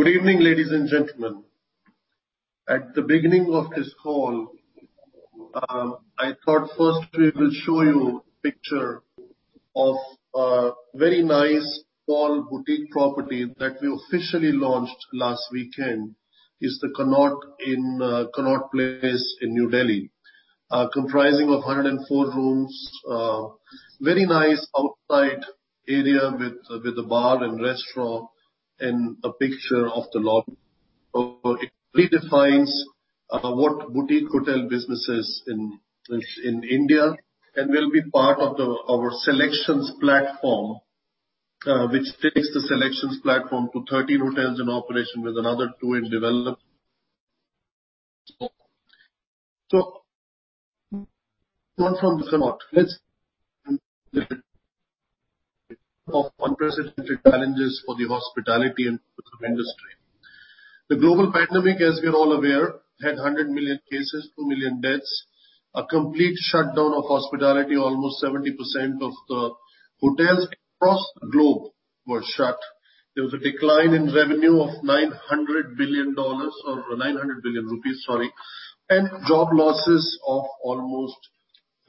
Good evening, ladies and gentlemen. At the beginning of this call, I thought first we will show you a picture of a very nice small boutique property that we officially launched last weekend, is The Connaught, in Connaught Place in New Delhi. Comprising of 104 rooms. Very nice outside area with a bar and restaurant, and a picture of the lobby. It redefines what boutique hotel business is in India and will be part of our SeleQtions platform, which takes the SeleQtions platform to 13 hotels in operation with another two in development. The global pandemic, as we are all aware, had 100 million cases, two million deaths, a complete shutdown of hospitality. Almost 70% of the hotels across the globe were shut. There was a decline in revenue of INR 900 billion, sorry, and job losses of almost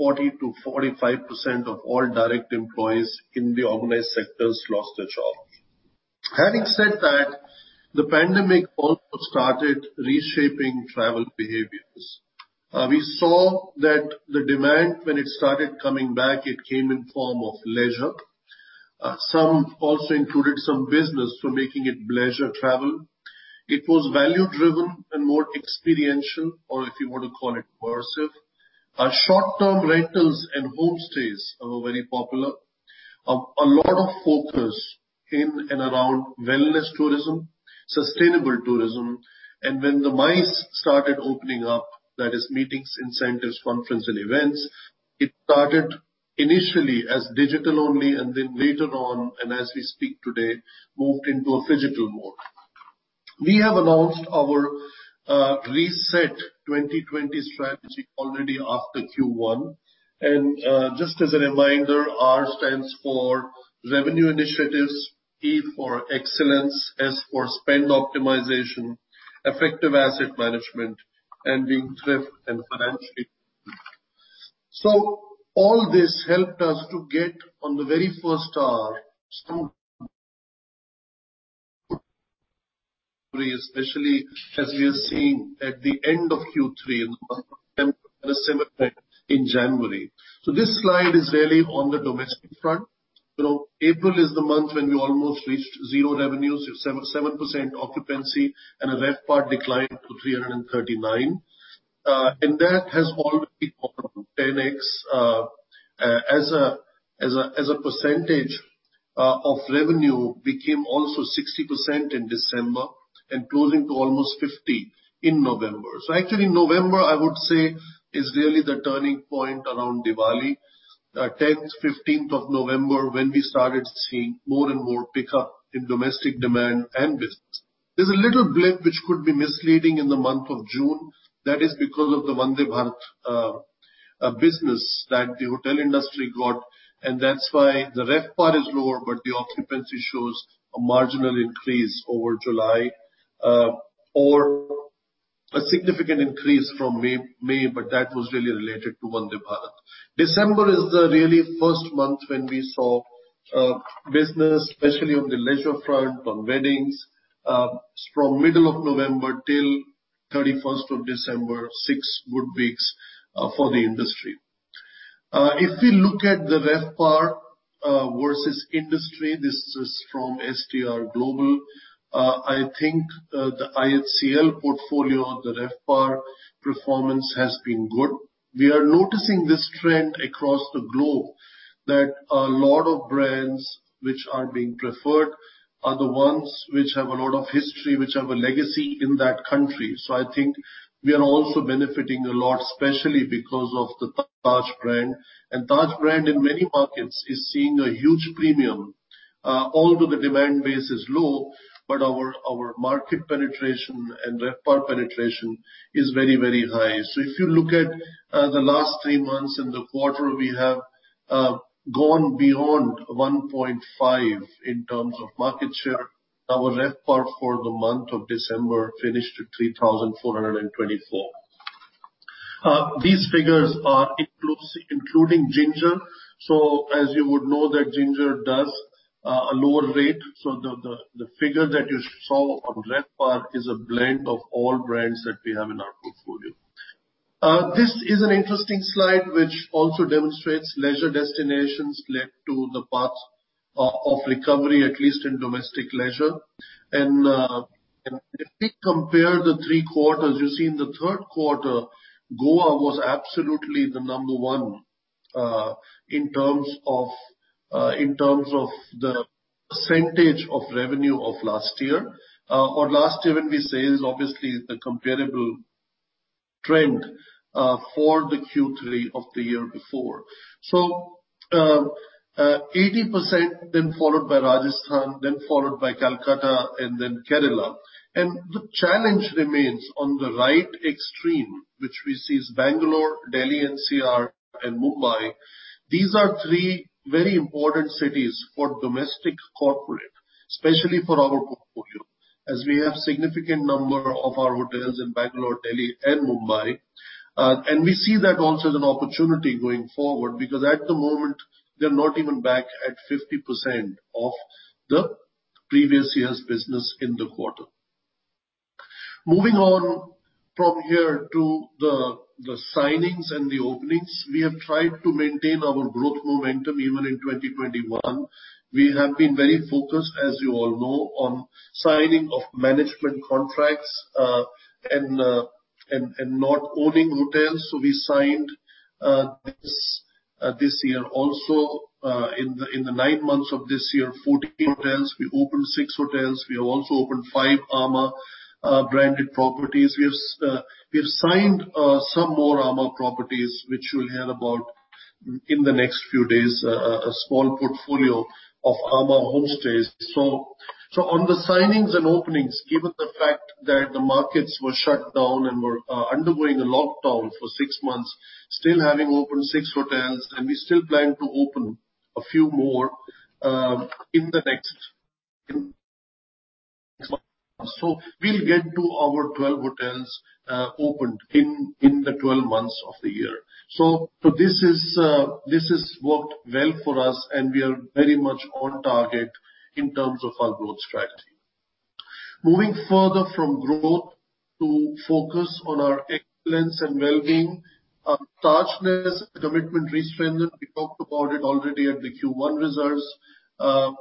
40% - 45% of all direct employees in the organized sectors lost their job. Having said that, the pandemic also started reshaping travel behaviors. We saw that the demand, when it started coming back, it came in form of leisure. Some also included some business for making it leisure travel. It was value-driven and more experiential, or if you want to call it, immersive. Short-term rentals and homestays are very popular. A lot of focus in and around wellness tourism, sustainable tourism. When the MICE started opening up, that is Meetings, Incentives, Conferences and Events, it started initially as digital only, and then later on, and as we speak today, moved into a phygital mode. We have announced our R.E.S.E.T 2020 strategy already after Q1. Just as a reminder, R stands for revenue initiatives, E for excellence, S for spend optimization, effective asset management, and being thrift and financially. All this helped us to get on the very first R, especially as we have seen at the end of Q3, in the month of September, December, and in January. This slide is really on the domestic front. April is the month when we almost reached zero revenues, with 7% occupancy and a RevPAR decline to 339. That has already recovered to 10x. As a percentage of revenue became also 60% in December and closing to almost 50% in November. Actually November, I would say, is really the turning point around Diwali. 10th, 15th of November, when we started seeing more and more pickup in domestic demand and business. There's a little blip which could be misleading in the month of June. That is because of the Vande Bharat business that the hotel industry got. That's why the RevPAR is lower, but the occupancy shows a marginal increase over July. A significant increase from May. That was really related to Vande Bharat. December is the really first month when we saw business, especially on the leisure front on weddings. From middle of November till 31st of December, six good weeks for the industry. If we look at the RevPAR versus industry, this is from STR Global. I think the IHCL portfolio on the RevPAR performance has been good. We are noticing this trend across the globe, that a lot of brands which are being preferred are the ones which have a lot of history, which have a legacy in that country. I think we are also benefiting a lot, especially because of the Taj brand. Taj brand in many markets is seeing a huge premium. Although the demand base is low, but our market penetration and RevPAR penetration is very, very high. If you look at the last three months in the quarter, we have gone beyond 1.5 in terms of market share. Our RevPAR for the month of December finished at 3,424. These figures are including Ginger. As you would know that Ginger does a lower rate, so the figure that you saw on RevPAR is a blend of all brands that we have in our portfolio. This is an interesting slide, which also demonstrates leisure destinations led to the path of recovery, at least in domestic leisure. If we compare the three quarters, you see in the third quarter, Goa was absolutely the number one in terms of the percentage of revenue of last year. Last year when we say is obviously the comparable trend for the Q3 of the year before. 80%, then followed by Rajasthan, then followed by Calcutta, and then Kerala. The challenge remains on the right extreme, which we see is Bangalore, Delhi, NCR, and Mumbai. These are three very important cities for domestic corporate, especially for our portfolio, as we have significant number of our hotels in Bangalore, Delhi and Mumbai. We see that also as an opportunity going forward, because at the moment they're not even back at 50% of the previous year's business in the quarter. Moving on from here to the signings and the openings. We have tried to maintain our growth momentum even in 2021. We have been very focused, as you all know, on signing of management contracts and not owning hotels. We signed this year also, in the nine months of this year, 14 hotels. We opened six hotels. We have also opened five amã branded properties. We have signed some more amã properties which you'll hear about in the next few days, a small portfolio of amã homestays. On the signings and openings, given the fact that the markets were shut down and were undergoing a lockdown for six months, still having opened six hotels, and we still plan to open a few more in the next, we'll get to our 12 hotels opened in the 12 months of the year. This has worked well for us, and we are very much on target in terms of our growth strategy. Moving further from growth to focus on our excellence and wellbeing. At Tajness, commitment restrengthened. We talked about it already at the Q1 results.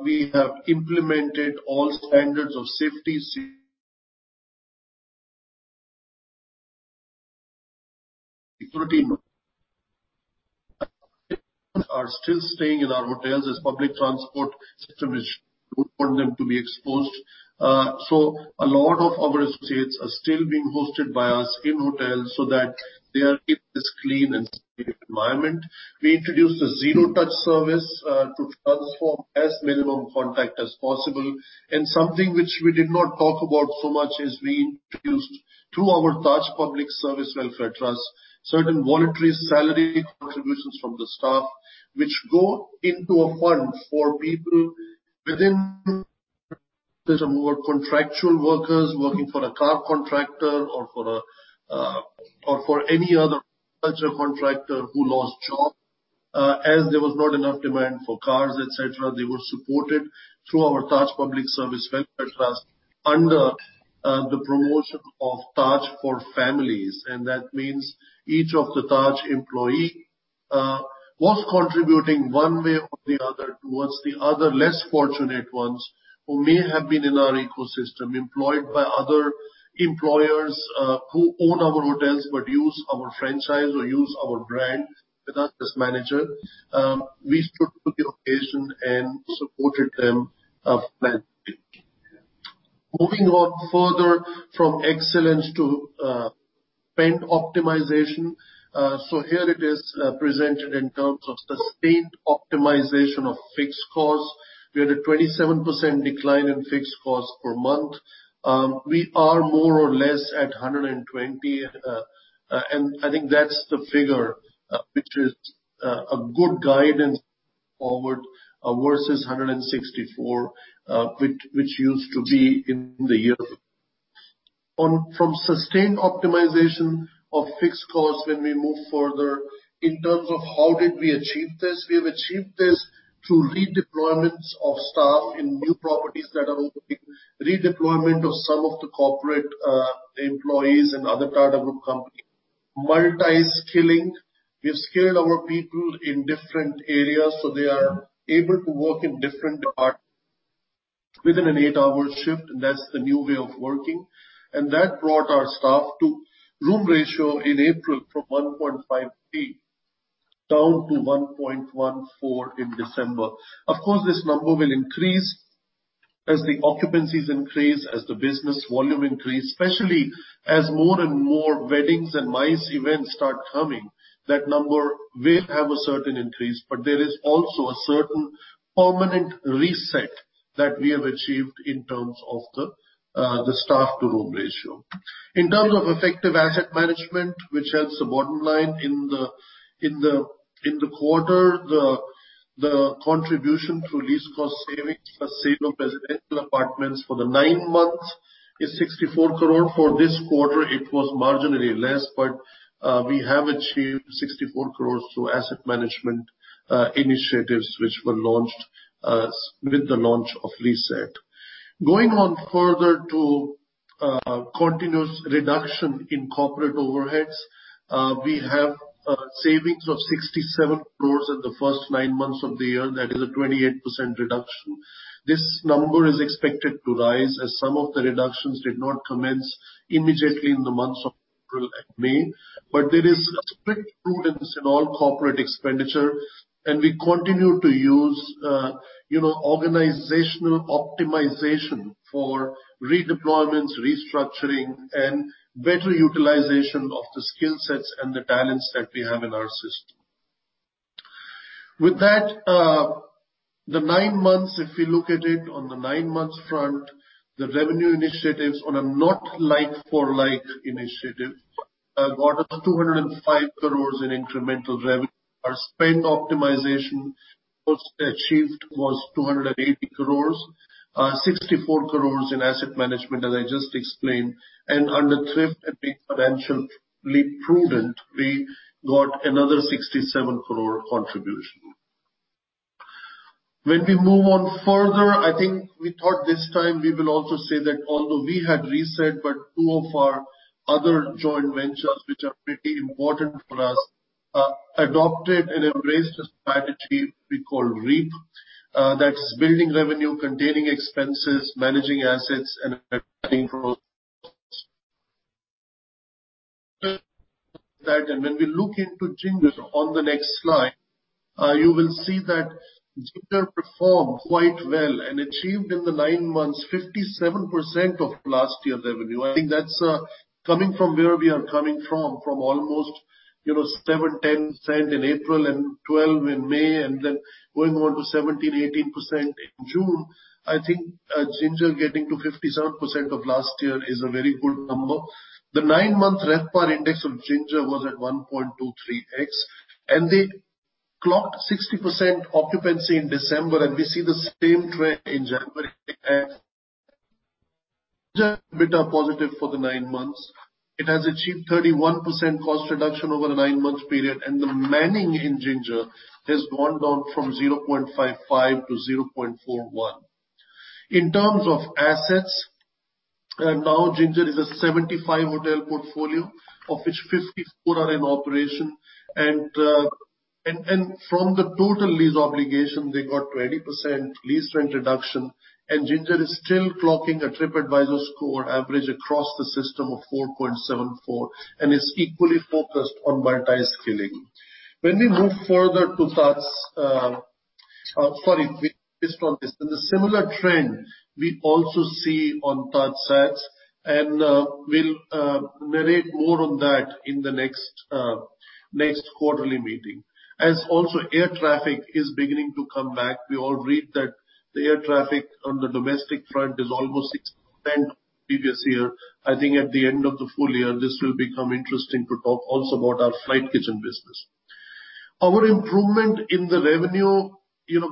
We have implemented all standards of safety, associates are still staying in our hotels as public transport system is for them to be exposed. A lot of our associates are still being hosted by us in hotels so that they are kept in this clean and safe environment. We introduced a zero touch service, to transform as minimum contact as possible. Something which we did not talk about so much is we introduced to our Taj Public Service Welfare Trust, certain voluntary salary contributions from the staff, which go into a fund for people within more contractual workers, working for a car contractor or for any other contractor who lost job, as there was not enough demand for cars, et cetera. They were supported through our Taj Public Service Welfare Trust under the promotion of Taj for Family. That means each of the Taj employee, was contributing one way or the other towards the other less fortunate ones who may have been in our ecosystem, employed by other employers who own our hotels but use our franchise or use our brand with us as manager. We took the occasion and supported them financially. Moving on further from excellence to spend optimization. Here it is presented in terms of sustained optimization of fixed costs. We had a 27% decline in fixed costs per month. We are more or less at 120, and I think that's the figure which is a good guidance forward versus 164, which used to be in the year. From sustained optimization of fixed costs, when we move further in terms of how did we achieve this? We have achieved this through redeployments of staff in new properties that are opening. Redeployment of some of the corporate employees and other Tata Group company. Multi-skilling. We have skilled our people in different areas, so they are able to work in different departments within an eight-hour shift, and that's the new way of working. That brought our staff to room ratio in April from 1.53 down to 1.14 in December. Of course, this number will increase as the occupancies increase, as the business volume increase, especially as more and more weddings and MICE events start coming. That number will have a certain increase, but there is also a certain permanent reset that we have achieved in terms of the staff to room ratio. In terms of effective asset management, which helps the bottom line in the quarter, the contribution through lease cost savings as sale of residential apartments for the nine months is 64 crore. For this quarter it was marginally less, but we have achieved 64 crore to asset management initiatives which were launched with the launch of R.E.S.E.T. Going on further to continuous reduction in corporate overheads. We have savings of 67 crore in the first nine months of the year. That is a 28% reduction. This number is expected to rise as some of the reductions did not commence immediately in the months of April and May. There is strict prudence in all corporate expenditure, and we continue to use organizational optimization for redeployments, restructuring and better utilization of the skill sets and the talents that we have in our system. With that, the nine months, if we look at it on the nine months front, the revenue initiatives on a not like for like initiative, I got 205 crore in incremental revenue. Our spend optimization cost achieved was 280 crore, 64 crore in asset management, as I just explained, and under thrift and being financially prudent, we got another 67 crore contribution. When we move on further, I think we thought this time we will also say that although we had R.E.S.E.T, two of our other joint ventures, which are pretty important for us, adopted and embraced a strategy we call R.E.A.P. That's building revenue, containing expenses, managing assets, and affecting costs. When we look into Ginger on the next slide, you will see that Ginger performed quite well and achieved in the nine months 57% of last year's revenue. I think that's coming from where we are coming from almost 7%, 10% in April, 12% in May, then going on to 17%, 18% in June. I think Ginger getting to 57% of last year is a very good number. The nine-month RevPAR index of Ginger was at 1.23x, they clocked 60% occupancy in December, we see the same trend in January. EBITDA positive for the nine months. It has achieved 31% cost reduction over the nine-month period. The manning in Ginger has gone down from 0.55 to 0.41. In terms of assets, now Ginger is a 75-hotel portfolio, of which 54 are in operation. From the total lease obligation, they got 20% lease rent reduction. Ginger is still clocking a TripAdvisor score average across the system of 4.74 and is equally focused on monetized scaling. When we move further to Taj. Just on this. In a similar trend, we also see on TajSATS, and we'll narrate more on that in the next quarterly meeting. As also air traffic is beginning to come back. We all read that the air traffic on the domestic front is almost 6% previous year. I think at the end of the full year, this will become interesting to talk also about our flight kitchen business. Our improvement in the revenue,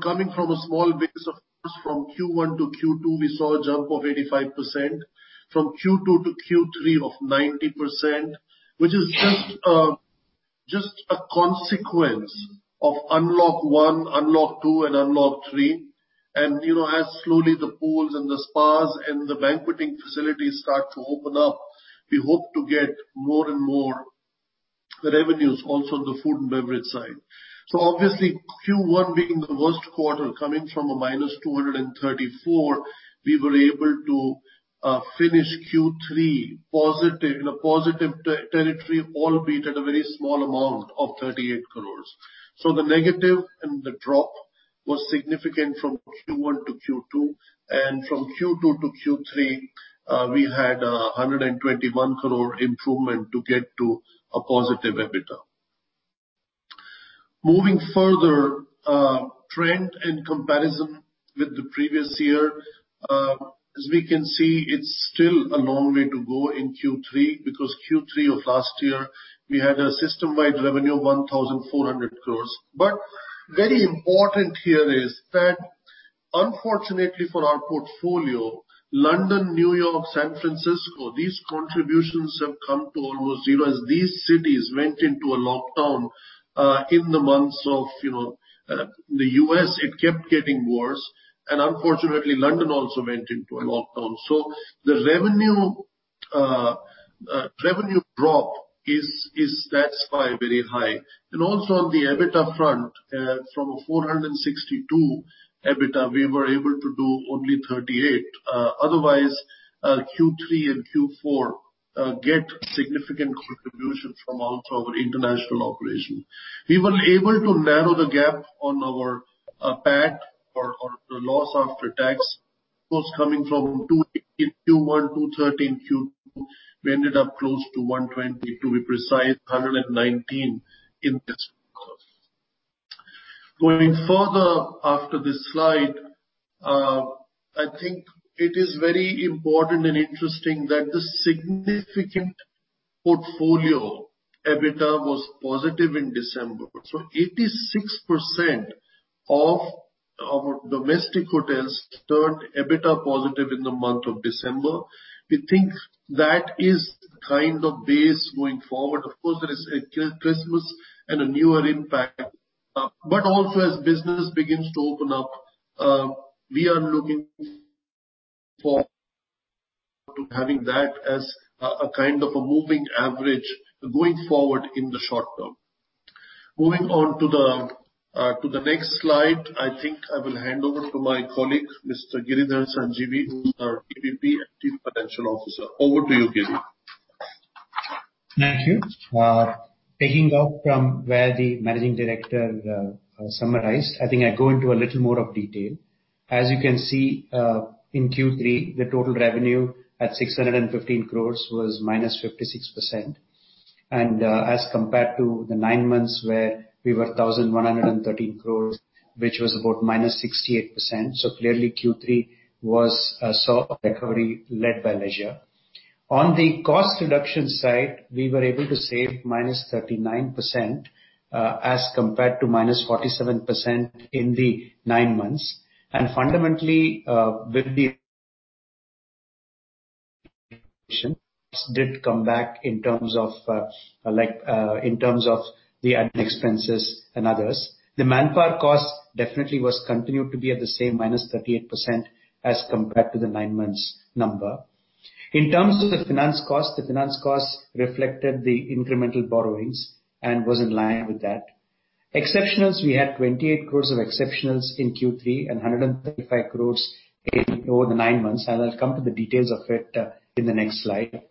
coming from a small base, of course, from Q1 to Q2 we saw a jump of 85%, from Q2 to Q3 of 90%, which is just a consequence of unlock one, unlock two, and unlock three. As slowly the pools and the spas and the banqueting facilities start to open up, we hope to get more and more revenues also on the food and beverage side. Obviously, Q1 being the worst quarter, coming from a -234, we were able to finish Q3 in a positive territory, albeit at a very small amount of 38 crores. The negative and the drop was significant from Q1 to Q2. From Q2 to Q3, we had 121 crore improvement to get to a positive EBITDA. Moving further, trend in comparison with the previous year. As we can see, it's still a long way to go in Q3, because Q3 of last year, we had a system-wide revenue of 1,400 crore. Very important here is that unfortunately for our portfolio, London, New York, San Francisco, these contributions have come to almost zero, as these cities went into a lockdown in the months of the U.S., it kept getting worse, and unfortunately, London also went into a lockdown. The revenue drop is, that's why very high. Also on the EBITDA front, from a 462 EBITDA, we were able to do only 38. Otherwise, Q3 and Q4 get significant contribution from also our international operation. We were able to narrow the gap on our PAT, or the loss after tax, was coming from 218 Q1, 213 Q2. We ended up close to 120, to be precise, 119 in this quarter. Going further after this slide, I think it is very important and interesting that the significant portfolio EBITDA was positive in December. 86% of our domestic hotels turned EBITDA positive in the month of December. We think that is the kind of base going forward. Of course, there is Christmas and a New Year impact. Also as business begins to open up, we are looking forward to having that as a kind of a moving average going forward in the short term. Moving on to the next slide, I think I will hand over to my colleague, Mr. Giridhar Sanjeevi, who's our Executive Vice President and Chief Financial Officer. Over to you, Giri. Thank you. Taking off from where the managing director summarized, I think I'll go into a little more of detail. As you can see, in Q3, the total revenue at 615 crore was -56%. As compared to the nine months where we were 1,113 crore, which was about -68%. Clearly Q3 saw a recovery led by leisure. On the cost reduction side, we were able to save -39% as compared to -47% in the nine months. Fundamentally, with the did come back in terms of the ad expenses and others. The manpower cost definitely was continued to be at the same -38% as compared to the nine months number. In terms of the finance cost, the finance cost reflected the incremental borrowings and was in line with that. Exceptionals, we had 28 crore of exceptionals in Q3 and 135 crore over the nine months. I'll come to the details of it in the next slide.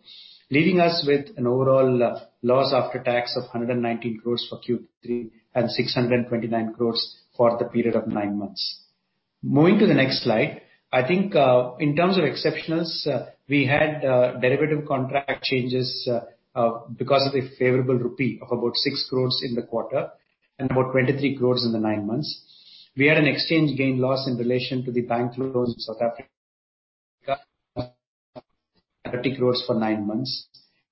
Leaving us with an overall loss after tax of 119 crore for Q3 and 629 crore for the period of nine months. Moving to the next slide. I think, in terms of exceptionals, we had derivative contract changes because of the favorable rupee of about 6 crore in the quarter and about 23 crore in the nine months. We had an exchange gain loss in relation to the bank loans in South Africa crore for nine months.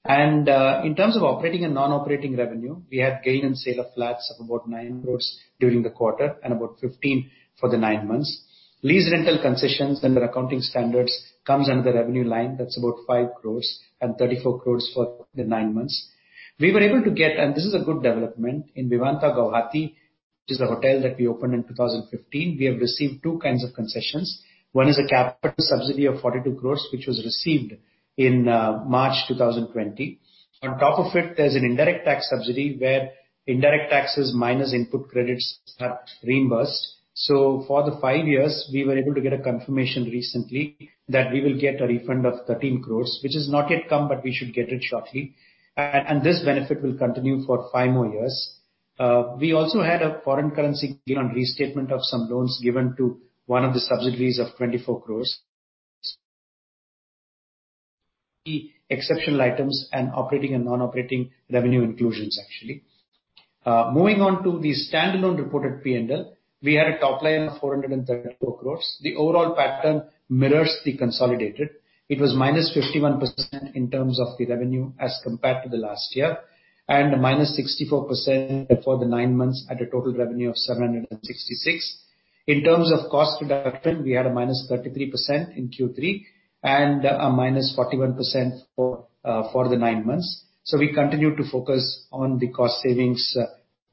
In terms of operating and non-operating revenue, we had gain in sale of flats of about 9 crore during the quarter and about 15 for the nine months. Lease rental concessions under accounting standards comes under the revenue line, that's about 5 crore and 34 crore for the nine months. We were able to get, and this is a good development, in Vivanta Guwahati, which is the hotel that we opened in 2015. We have received two kinds of concessions. One is a capital subsidy of 42 crores, which was received in March 2020. On top of it, there is an indirect tax subsidy where indirect taxes minus input credits got reimbursed. For the five years, we were able to get a confirmation recently that we will get a refund of 13 crores, which has not yet come, but we should get it shortly. This benefit will continue for five more years. We also had a foreign currency gain on restatement of some loans given to one of the subsidiaries of 24 crores. Exceptional items and operating and non-operating revenue inclusions, actually. Moving on to the standalone reported P&L. We had a top line of 434 crores. The overall pattern mirrors the consolidated. It was -51% in terms of the revenue as compared to the last year, and -64% for the nine months at a total revenue of 766. In terms of cost reduction, we had a -33% in Q3 and a -41% for the nine months. We continue to focus on the cost savings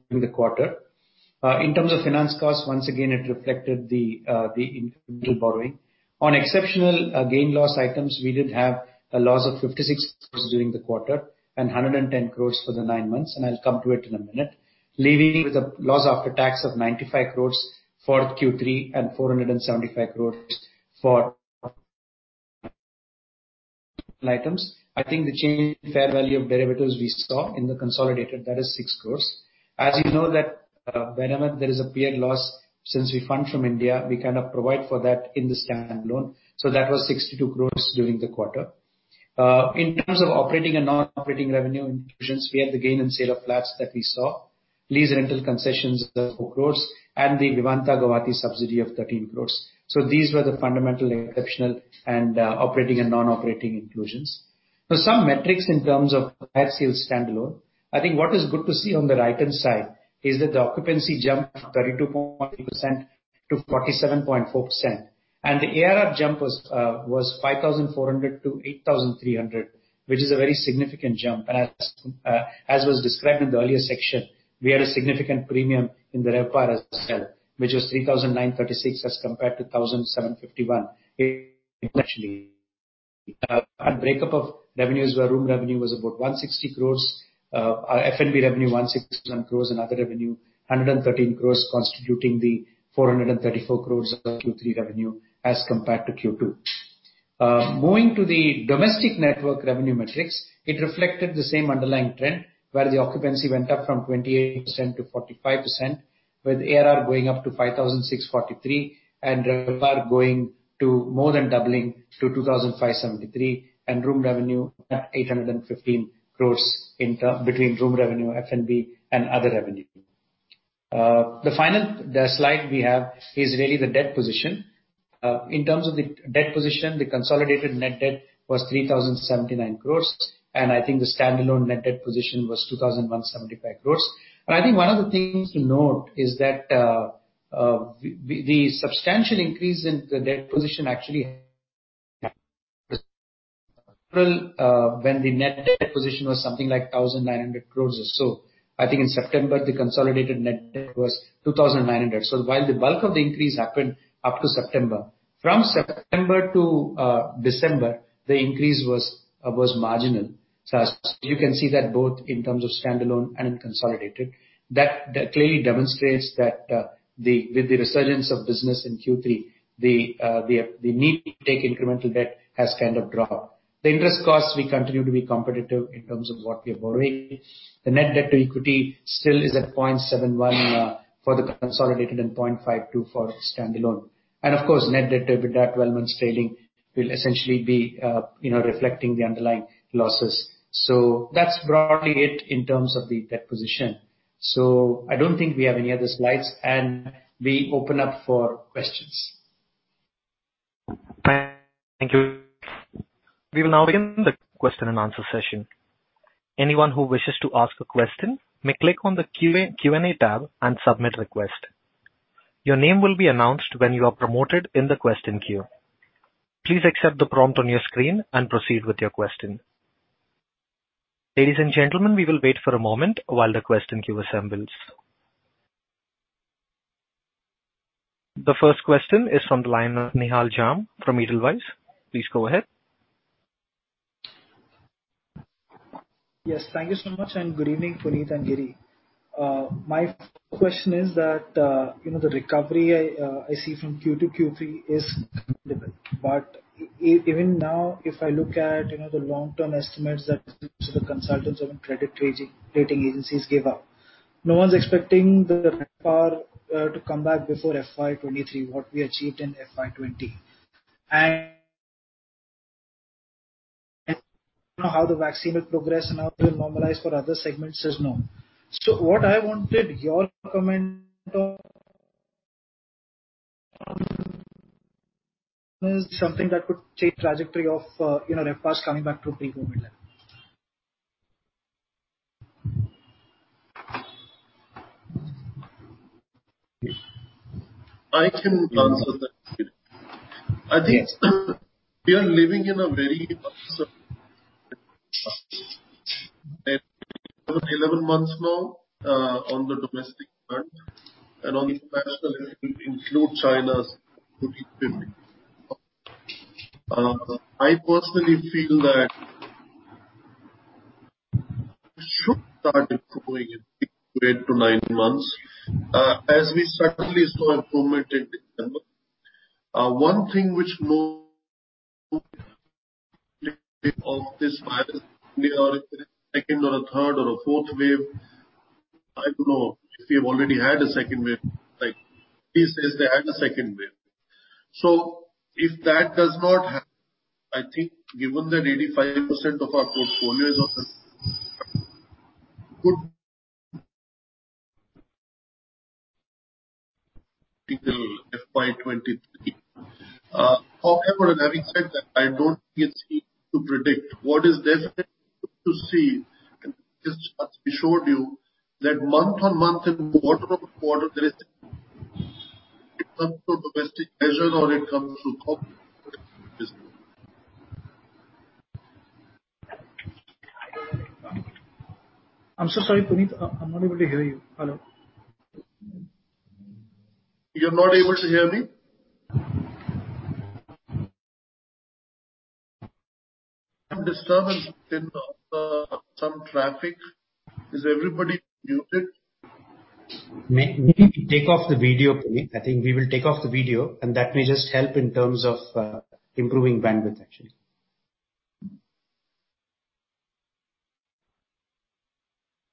during the quarter. In terms of finance cost, once again, it reflected the incremental borrowing. On exceptional gain/loss items, we did have a loss of 56 crores during the quarter and 110 crores for the nine months, and I'll come to it in a minute. Leaving with a loss after tax of 95 crores for Q3 and 475 crores for items. I think the change in fair value of derivatives we saw in the consolidated, that is 6 crores. As you know that whenever there is a P&L loss, since we fund from India, we kind of provide for that in the standalone. That was 62 crores during the quarter. In terms of operating and non-operating revenue inclusions, we had the gain in sale of flats that we saw, lease rental concessions, 4 crores, and the Vivanta Guwahati subsidy of 13 crores. These were the fundamental exceptional and operating and non-operating inclusions. For some metrics in terms of owned rooms standalone, I think what is good to see on the right-hand side is that the occupancy jumped from 32.1% to 47.4%, and the ARR jump was 5,400 to 8,300, which is a very significant jump. As was described in the earlier section, we had a significant premium in the RevPAR as well, which was 3,936 as compared to 1,751. Breakup of revenues, where room revenue was about 160 crores, our F&B revenue 161 crores, and other revenue 113 crores, constituting the 434 crores of Q3 revenue as compared to Q2. Moving to the domestic network revenue metrics. It reflected the same underlying trend, where the occupancy went up from 28% to 45%, with ARR going up to 5,643 and RevPAR going to more than doubling to 2,573, and room revenue at 815 crores between room revenue, F&B, and other revenue. The final slide we have is really the debt position. In terms of the debt position, the consolidated net debt was 3,079 crores, and I think the standalone net debt position was 2,175 crores. I think one of the things to note is that the substantial increase in the debt position actually when the net debt position was something like 1,900 crore or so. I think in September, the consolidated net debt was 2,900. While the bulk of the increase happened up to September. From September to December, the increase was marginal. As you can see that both in terms of standalone and in consolidated, that clearly demonstrates that with the resurgence of business in Q3, the need to take incremental debt has kind of dropped. The interest costs will continue to be competitive in terms of what we are borrowing. The net debt to equity still is at 0.71 for the consolidated and 0.52 for the standalone. Of course, net debt to EBITDA 12 months trailing will essentially be reflecting the underlying losses. That's broadly it in terms of the debt position. I don't think we have any other slides, and we open up for questions. Thank you. We will now begin the question-and-answer session. Anyone who wishes to ask a question may click on the Q&A tab and submit request. Your name will be announced when you are promoted in the question queue. Please accept the prompt on your screen and proceed with your question. Ladies and gentlemen, we will wait for a moment while the question queue assembles. The first question is from the line of Nihal Jham from Edelweiss. Please go ahead. Thank you so much, and good evening, Puneet and Giri. My question is that, the recovery I see from Q2 to Q3 is, but even now if I look at the long-term estimates that the consultants and credit rating agencies gave out, no one's expecting the RevPAR to come back before FY23, what we achieved in FY20. How the vaccine will progress and how it will normalize for other segments is known. What I wanted your comment on is something that could change trajectory of RevPARs coming back to pre-COVID levels. I can answer that. I think we are living in a very uncertain 11 months now, on the domestic front and on the international if you include China's. I personally feel that should start improving in six to eight to nine months, as we certainly saw improvement in December. One thing which no of this virus, be it a second or a third or a fourth wave. I don't know if we've already had a second wave. He says they had a second wave. If that does not happen, I think given that 85% of our portfolio is FY 2023. However, having said that, I don't think it's easy to predict. What is definitely good to see, and we showed you, that month-on-month and quarter-on-quarter there is it comes to domestic leisure or it comes to corporate business. I'm so sorry, Puneet. I'm not able to hear you. Hello? You're not able to hear me? Some disturbance and some traffic. Is everybody muted? Maybe take off the video, Puneet. I think we will take off the video and that may just help in terms of improving bandwidth actually.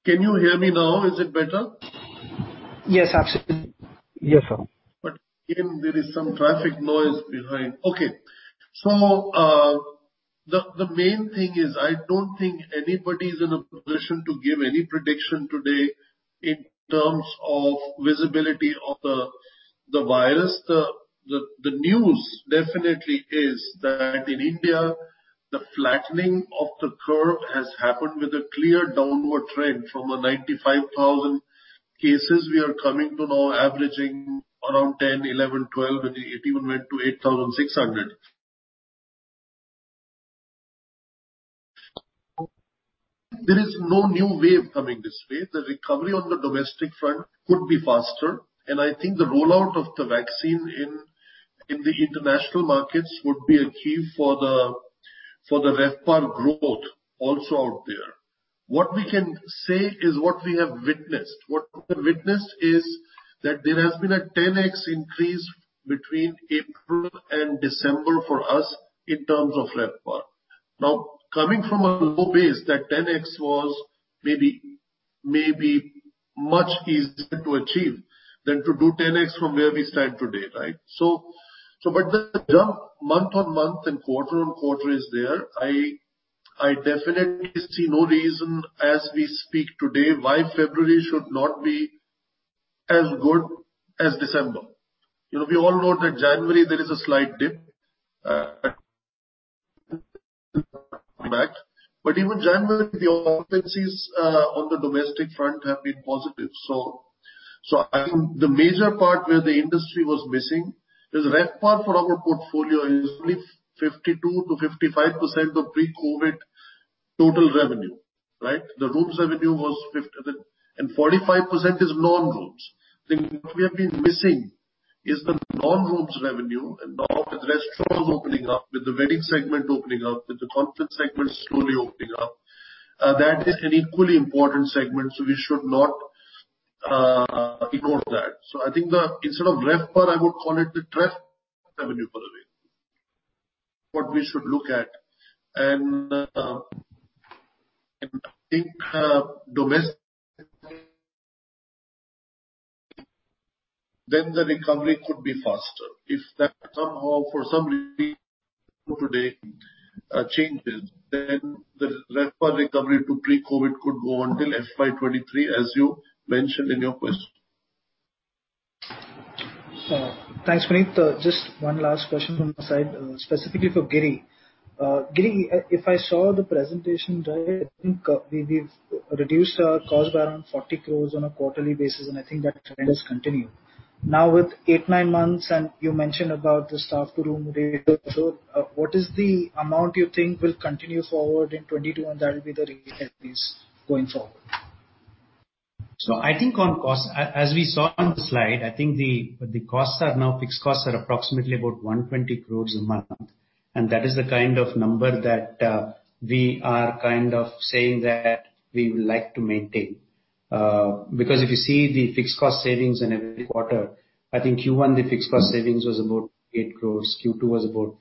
Can you hear me now? Is it better? Yes, absolutely. Yes, sir. Again, there is some traffic noise behind. Okay. The main thing is, I don't think anybody's in a position to give any prediction today in terms of visibility of the virus. The news definitely is that in India, the flattening of the curve has happened with a clear downward trend from 95,000 cases we are coming to now averaging around 10, 11, 12, and it even went to 8,600. There is no new wave coming this way. The recovery on the domestic front could be faster, I think the rollout of the vaccine in the international markets would be a key for the RevPAR growth also out there. What we can say is what we have witnessed. What we have witnessed is that there has been a 10x increase between April and December for us in terms of RevPAR. Coming from a low base, that 10x was maybe much easier to achieve than to do 10x from where we stand today, right? The jump month-on-month and quarter-on-quarter is there. I definitely see no reason as we speak today why February should not be as good as December. We all know that January there is a slight dip back. Even January, the offices on the domestic front have been positive. I think the major part where the industry was missing is RevPAR for our portfolio is only 52%-55% of pre-COVID total revenue, right? 45% is non-rooms. I think what we have been missing is the non-rooms revenue. Now with restaurants opening up, with the wedding segment opening up, with the conference segment slowly opening up, that is an equally important segment, so we should not ignore that. I think instead of RevPAR, I would call it the Rev revenue, by the way. What we should look at. I think domestic then the recovery could be faster. If that somehow for some reason today changes, then the RevPAR recovery to pre-COVID could go on till FY23, as you mentioned in your question. Thanks, Puneet. Just one last question from my side, specifically for Giri. Giri, if I saw the presentation right, I think we've reduced our cost by around 40 crores on a quarterly basis, and I think that trend has continued. Now with eight, nine months, and you mentioned about the staff room ratio, so what is the amount you think will continue forward in FY 2022, and that will be the ratio at least going forward? I think on cost, as we saw on the slide, I think the fixed costs are approximately about 120 crores a month. That is the kind of number that we are saying that we would like to maintain. If you see the fixed cost savings in every quarter, I think Q1, the fixed cost savings was about 8 crores. Q2 was about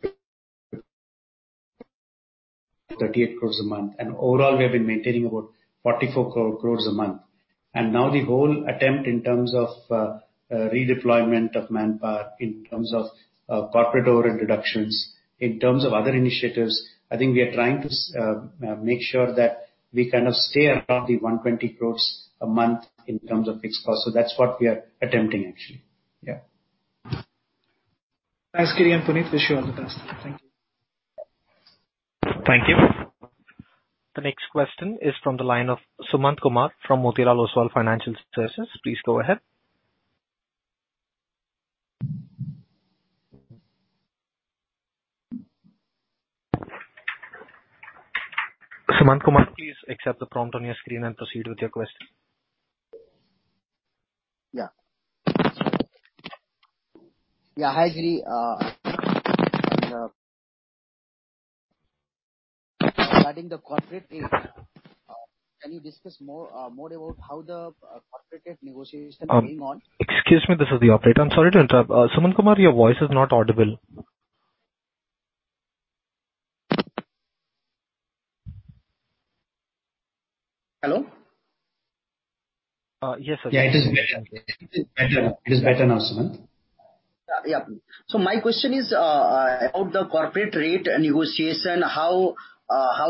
38 crores a month. Overall, we have been maintaining about 44 crores a month. Now the whole attempt in terms of redeployment of manpower, in terms of corporate order reductions, in terms of other initiatives, I think we are trying to make sure that we kind of stay around the 120 crores a month in terms of fixed costs. That's what we are attempting, actually. Yeah. Thanks, Giri and Puneet. Wish you all the best. Thank you. Thank you. The next question is from the line of Sumant Kumar from Motilal Oswal Financial Services. Please go ahead. Sumant Kumar, please accept the prompt on your screen and proceed with your question. Yeah. Hi, Giri. Regarding the corporate rate, can you discuss more about how the corporate rate negotiation is going on? Excuse me, this is the operator. I'm sorry to interrupt. Sumant Kumar, your voice is not audible. Hello? Yes, sir. It is better. It is better now, Sumant. Yeah. My question is about the corporate rate negotiation. How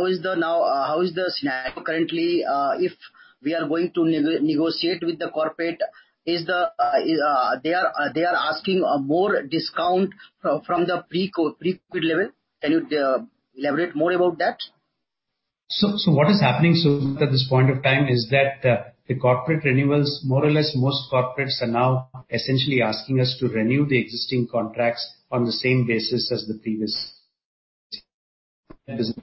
is the scenario currently if we are going to negotiate with the corporate? They are asking more discount from the pre-COVID level. Can you elaborate more about that? What is happening, Sumant, at this point of time is that the corporate renewals, more or less, most corporates are now essentially asking us to renew the existing contracts on the same basis as the previous. Business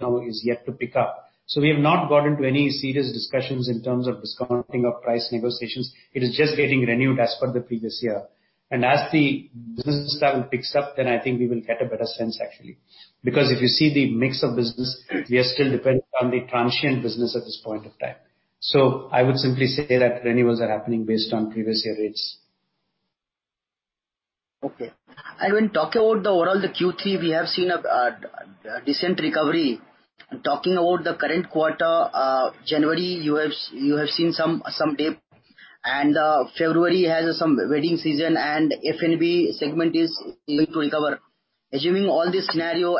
now is yet to pick up. We have not got into any serious discussions in terms of discounting of price negotiations. It is just getting renewed as per the previous year. As the business travel picks up, I think we will get a better sense, actually. If you see the mix of business, we are still dependent on the transient business at this point of time. I would simply say that renewals are happening based on previous year rates. Okay. When talking about the overall, the Q3, we have seen a decent recovery. Talking about the current quarter, January, you have seen some dip, February has some wedding season, and F&B segment is yet to recover. Assuming all this scenario,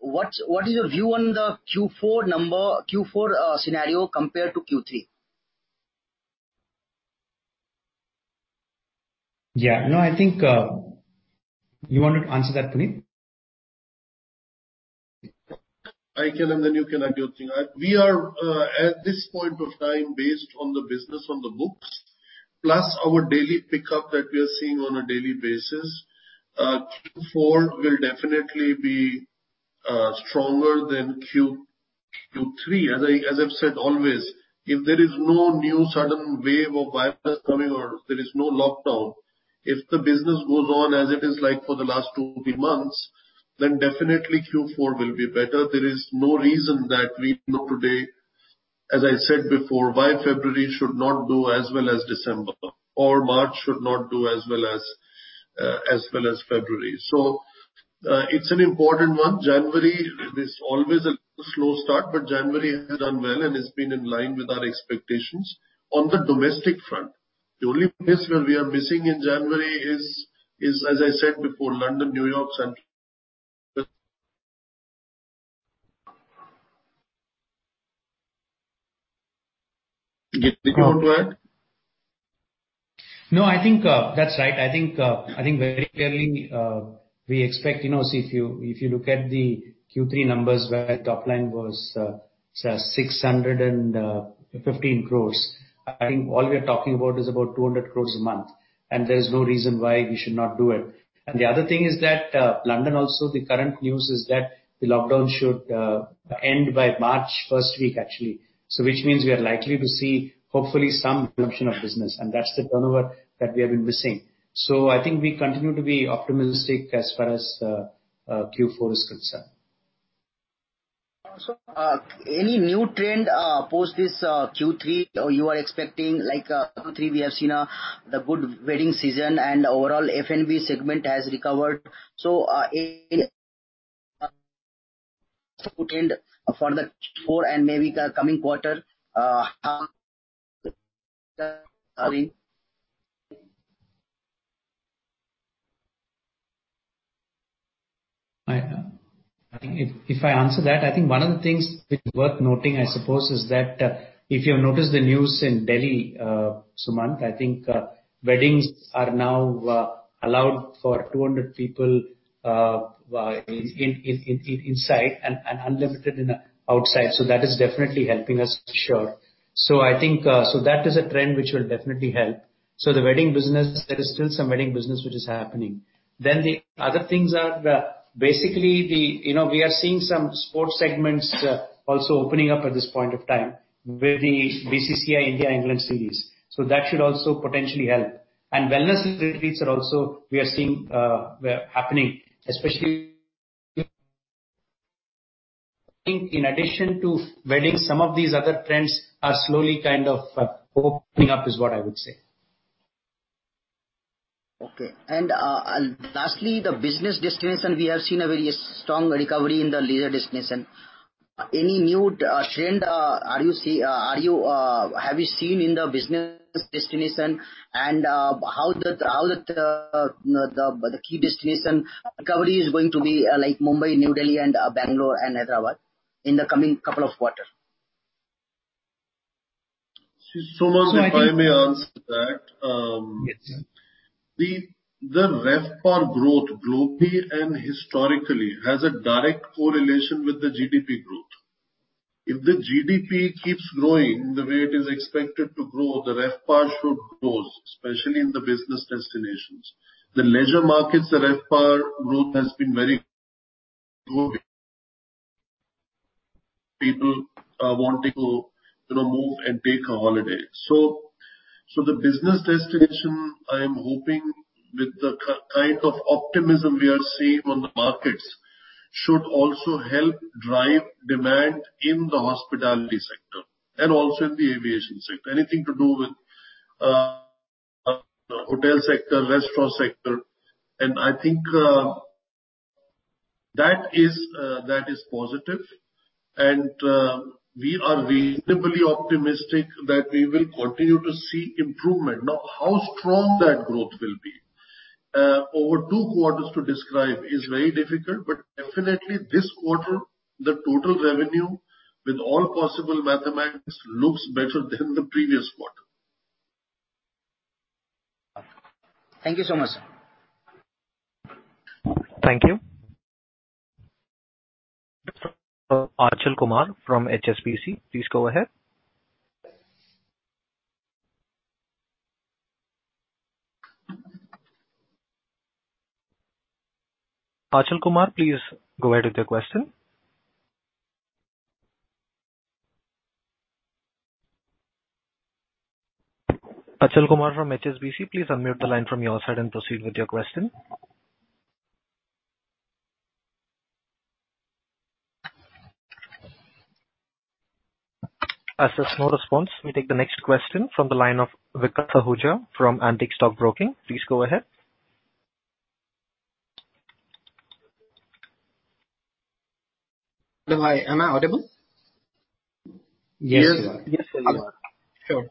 what is your view on the Q4 scenario compared to Q3? Yeah. No, I think You want to answer that, Puneet? I can, and then you can add your thing. We are, at this point of time, based on the business on the books, plus our daily pickup that we are seeing on a daily basis, Q4 will definitely be stronger than Q3. As I've said always, if there is no new sudden wave of virus coming or there is no lockdown, if the business goes on as it is like for the last two, three months, then definitely Q4 will be better. There is no reason that we know today, as I said before, why February should not do as well as December, or March should not do as well as February. It's an important one. January is always a slow start, but January has done well and has been in line with our expectations on the domestic front. The only place where we are missing in January is, as I said before, London, New York. Giri, you want to add? No, I think that's right. I think very clearly, we expect, if you look at the Q3 numbers where top line was 615 crores, I think all we're talking about is about 200 crores a month, There's no reason why we should not do it. The other thing is that London also, the current news is that the lockdown should end by March 1st week, actually. Which means we are likely to see hopefully some resumption of business, That's the turnover that we have been missing. I think we continue to be optimistic as far as Q4 is concerned. Any new trend post this Q3 you are expecting? Like Q3, we have seen the good wedding season and overall F&B segment has recovered. Any for the Q4 and maybe the coming quarter? If I answer that, I think one of the things which is worth noting, I suppose, is that if you have noticed the news in Delhi, Sumant, I think, weddings are now allowed for 200 people inside and unlimited outside. That is definitely helping us for sure. That is a trend which will definitely help. The wedding business, there is still some wedding business, which is happening. The other things are, basically we are seeing some sports segments also opening up at this point of time with the BCCI India-England series. That should also potentially help. Wellness retreats are also, we are seeing happening, especially in addition to weddings, some of these other trends are slowly kind of opening up is what I would say. Okay. Lastly, the business destination, we have seen a very strong recovery in the leisure destination. Any new trend have you seen in the business destination, and how the key destination recovery is going to be like Mumbai, New Delhi and Bangalore and Hyderabad in the coming couple of quarters? Sumant, if I may answer that. Yes. The RevPAR growth globally and historically has a direct correlation with the GDP growth. If the GDP keeps growing the way it is expected to grow, the RevPAR should grow, especially in the business destinations. The leisure markets RevPAR growth has been very people want to go, move and take a holiday. The business destination, I am hoping with the kind of optimism we are seeing on the markets, should also help drive demand in the hospitality sector and also in the aviation sector. Anything to do with hotel sector, restaurant sector, I think that is positive, and we are reasonably optimistic that we will continue to see improvement. Now, how strong that growth will be, over two quarters to describe is very difficult. Definitely this quarter, the total revenue with all possible mathematics looks better than the previous quarter. Thank you so much, sir. Thank you. Achal Kumar from HSBC, please go ahead. Achal Kumar, please go ahead with your question. Achal Kumar from HSBC, please unmute the line from your side and proceed with your question. As there's no response, we take the next question from the line of Vikas Ahuja from Antique Stock Broking. Please go ahead. Hello. Hi. Am I audible? Yes, you are. Sure.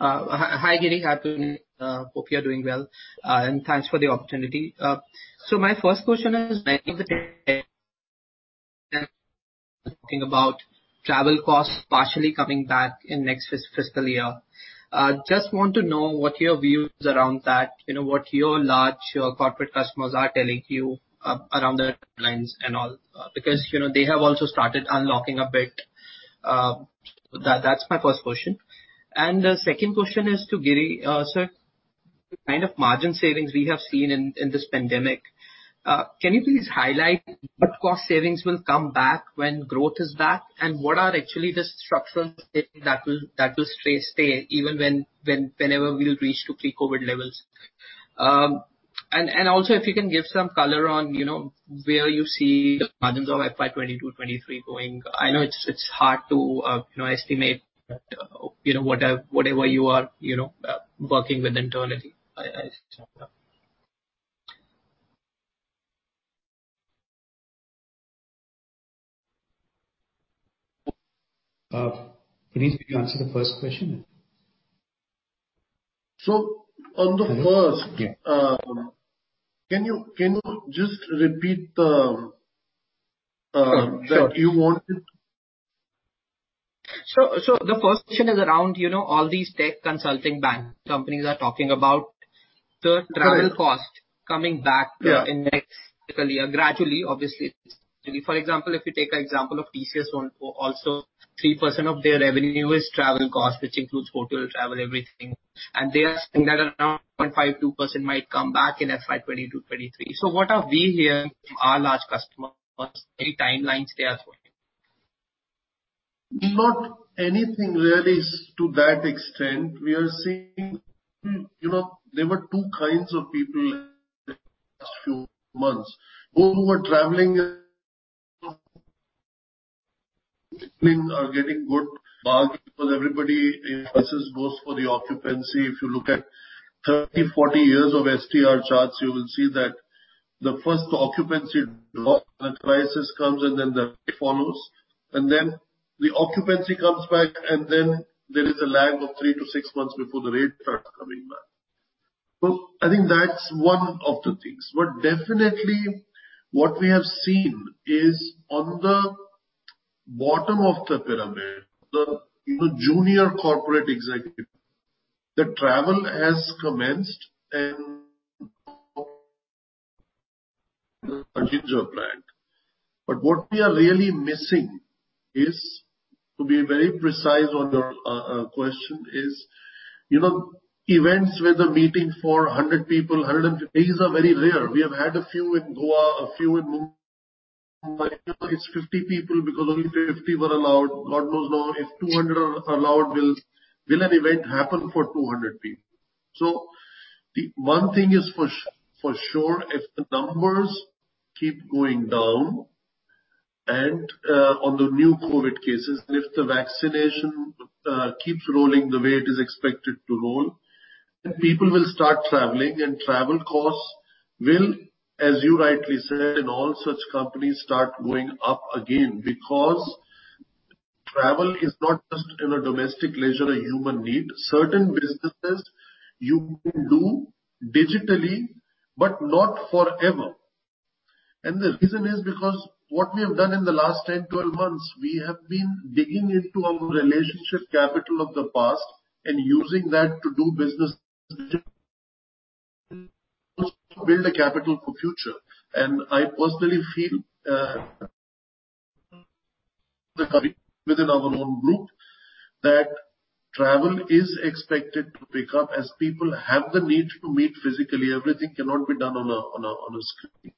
Hi, Giri. Hi, Puneet. Hope you're doing well, and thanks for the opportunity. My first question is talking about travel costs partially coming back in next fiscal year. Just want to know what your view is around that. What your large corporate customers are telling you around the timelines and all. They have also started unlocking a bit. That's my first question. The second question is to Giri. Sir, the kind of margin savings we have seen in this pandemic, can you please highlight what cost savings will come back when growth is back, and what are actually the structural that will stay even whenever we'll reach to pre-COVID levels? Also, if you can give some color on where you see the margins of FY 2022, 2023 going. I know it's hard to estimate whatever you are working with internally. Puneet, could you answer the first question? So on the first- Yeah. Can you just repeat that you wanted? Sure. The first question is around all these tech consulting companies are talking about the travel cost coming back. Yeah in the next fiscal year gradually, obviously. For example, if you take an example of TCS, also 3% of their revenue is travel cost, which includes hotel, travel, everything. They are saying that around 1.52% might come back in FY 2022, 2023. What are we hearing from our large customers? Any timelines they are talking? Not anything really to that extent. We are seeing there were two kinds of people in the last few months. Those who were traveling. Things are getting good, because everybody, emphasis goes for the occupancy. If you look at 30, 40 years of STR charts, you will see that the first occupancy drop, the crisis comes, the rate follows. The occupancy comes back, there is a lag of three to six months before the rate starts coming back. I think that's one of the things. Definitely what we have seen is on the bottom of the pyramid, the junior corporate executive, the travel has commenced and Ginger brand. What we are really missing is, to be very precise on your question is, events with a meeting for 100 people, 150 people are very rare. We have had a few in Goa, a few in Mumbai. It's 50 people because only 50 were allowed. God knows now if 200 are allowed, will an event happen for 200 people? The one thing is for sure, if the numbers keep going down and on the new COVID cases, and if the vaccination keeps rolling the way it is expected to roll, then people will start traveling and travel costs will, as you rightly said, and all such companies start going up again. Because travel is not just a domestic leisure, a human need. Certain businesses you can do digitally, but not forever. The reason is because what we have done in the last 10, 12 months, we have been digging into our relationship capital of the past and using that to do business build a capital for future. I personally feel, within our own group, that travel is expected to pick up as people have the need to meet physically. Everything cannot be done on a screen.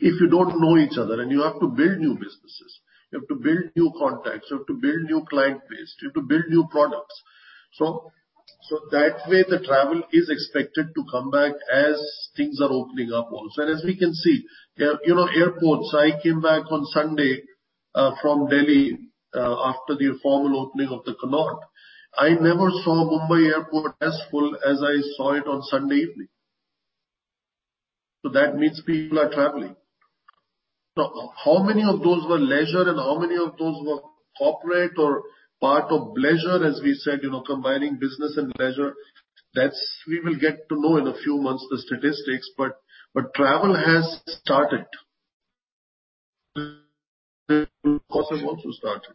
If you don't know each other and you have to build new businesses, you have to build new contacts, you have to build new client base, you have to build new products. That way the travel is expected to come back as things are opening up also. As we can see, airports, I came back on Sunday from Delhi after the formal opening of The Connaught. I never saw Mumbai airport as full as I saw it on Sunday evening. That means people are traveling. Now, how many of those were leisure and how many of those were corporate or part of leisure, as we said, combining business and leisure? That we will get to know in a few months, the statistics. Travel has started. Costs have also started.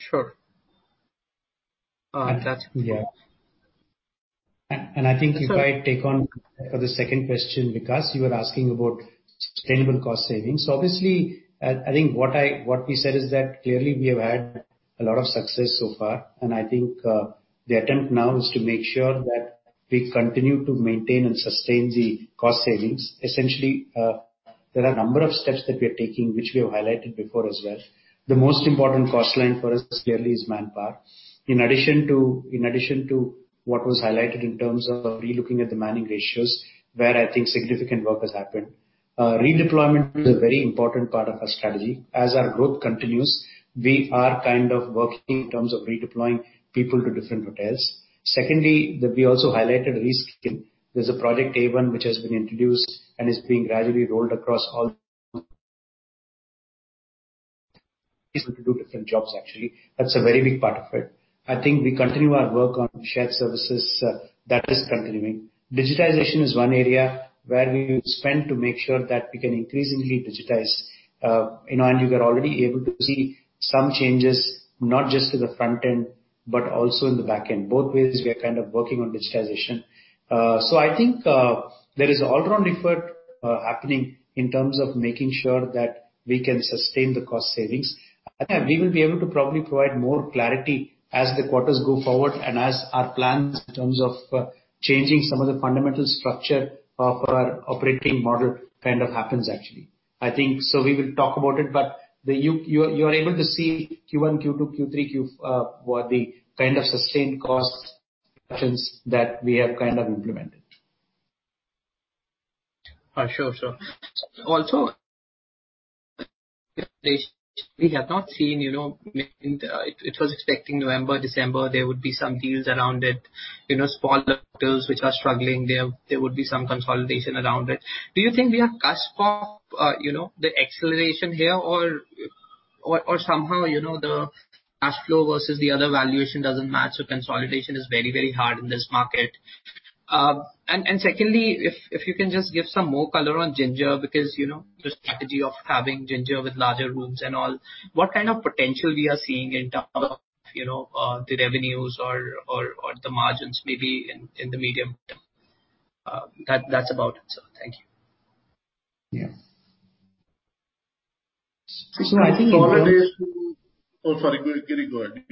Sure. That's clear. Yeah. I think if I take on for the second question, Vikas, you were asking about sustainable cost savings. Obviously, I think what we said is that clearly we have had a lot of success so far. I think the attempt now is to make sure that we continue to maintain and sustain the cost savings. Essentially, there are a number of steps that we are taking which we have highlighted before as well. The most important cost line for us clearly is manpower. In addition to what was highlighted in terms of relooking at the manning ratios, where I think significant work has happened. Redeployment is a very important part of our strategy. As our growth continues, we are working in terms of redeploying people to different hotels. Secondly, that we also highlighted reskilling. There's a A1 Operations which has been introduced and is being gradually rolled across all to do different jobs, actually. That's a very big part of it. I think we continue our work on shared services. That is continuing. Digitization is one area where we will spend to make sure that we can increasingly digitize. You were already able to see some changes not just to the front end, but also in the back end. Both ways, we are working on digitization. I think there is all round effort happening in terms of making sure that we can sustain the cost savings. We will be able to probably provide more clarity as the quarters go forward and as our plans in terms of changing some of the fundamental structure of our operating model happens, actually. I think so we will talk about it. You are able to see Q1, Q2, Q3, Q4, the kind of sustained cost actions that we have implemented. Sure. We have not seen. It was expecting November, December, there would be some deals around it. Small hotels which are struggling, there would be some consolidation around it. Do you think we are cusp of the acceleration here or somehow the cash flow versus the other valuation doesn't match, so consolidation is very hard in this market? Secondly, if you can just give some more color on Ginger because the strategy of having Ginger with larger rooms and all, what kind of potential you are seeing in terms of the revenues or the margins maybe in the medium term? That's about it, sir. Thank you. Yeah. Krishna I think. Sorry. Oh, sorry. Giri, go ahead.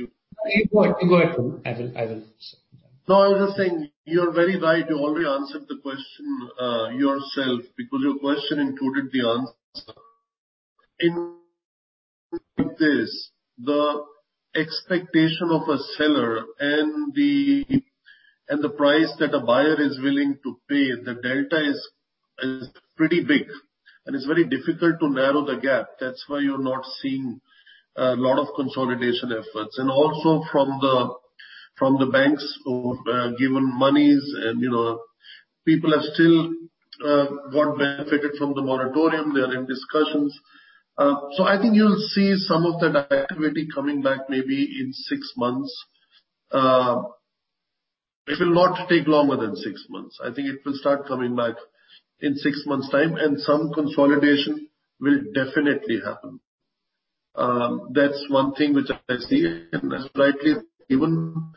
Go ahead. I will. No, I was just saying, you are very right. You already answered the question yourself because your question included the answer. In this, the expectation of a seller and the price that a buyer is willing to pay, the delta is pretty big, and it's very difficult to narrow the gap. That's why you're not seeing a lot of consolidation efforts. Also from the banks who have given monies, and people have still got benefited from the moratorium. They are in discussions. I think you'll see some of that activity coming back maybe in 6 months. It will not take longer than six months. I think it will start coming back in six months' time, and some consolidation will definitely happen. That's one thing which I see, and that's rightly given.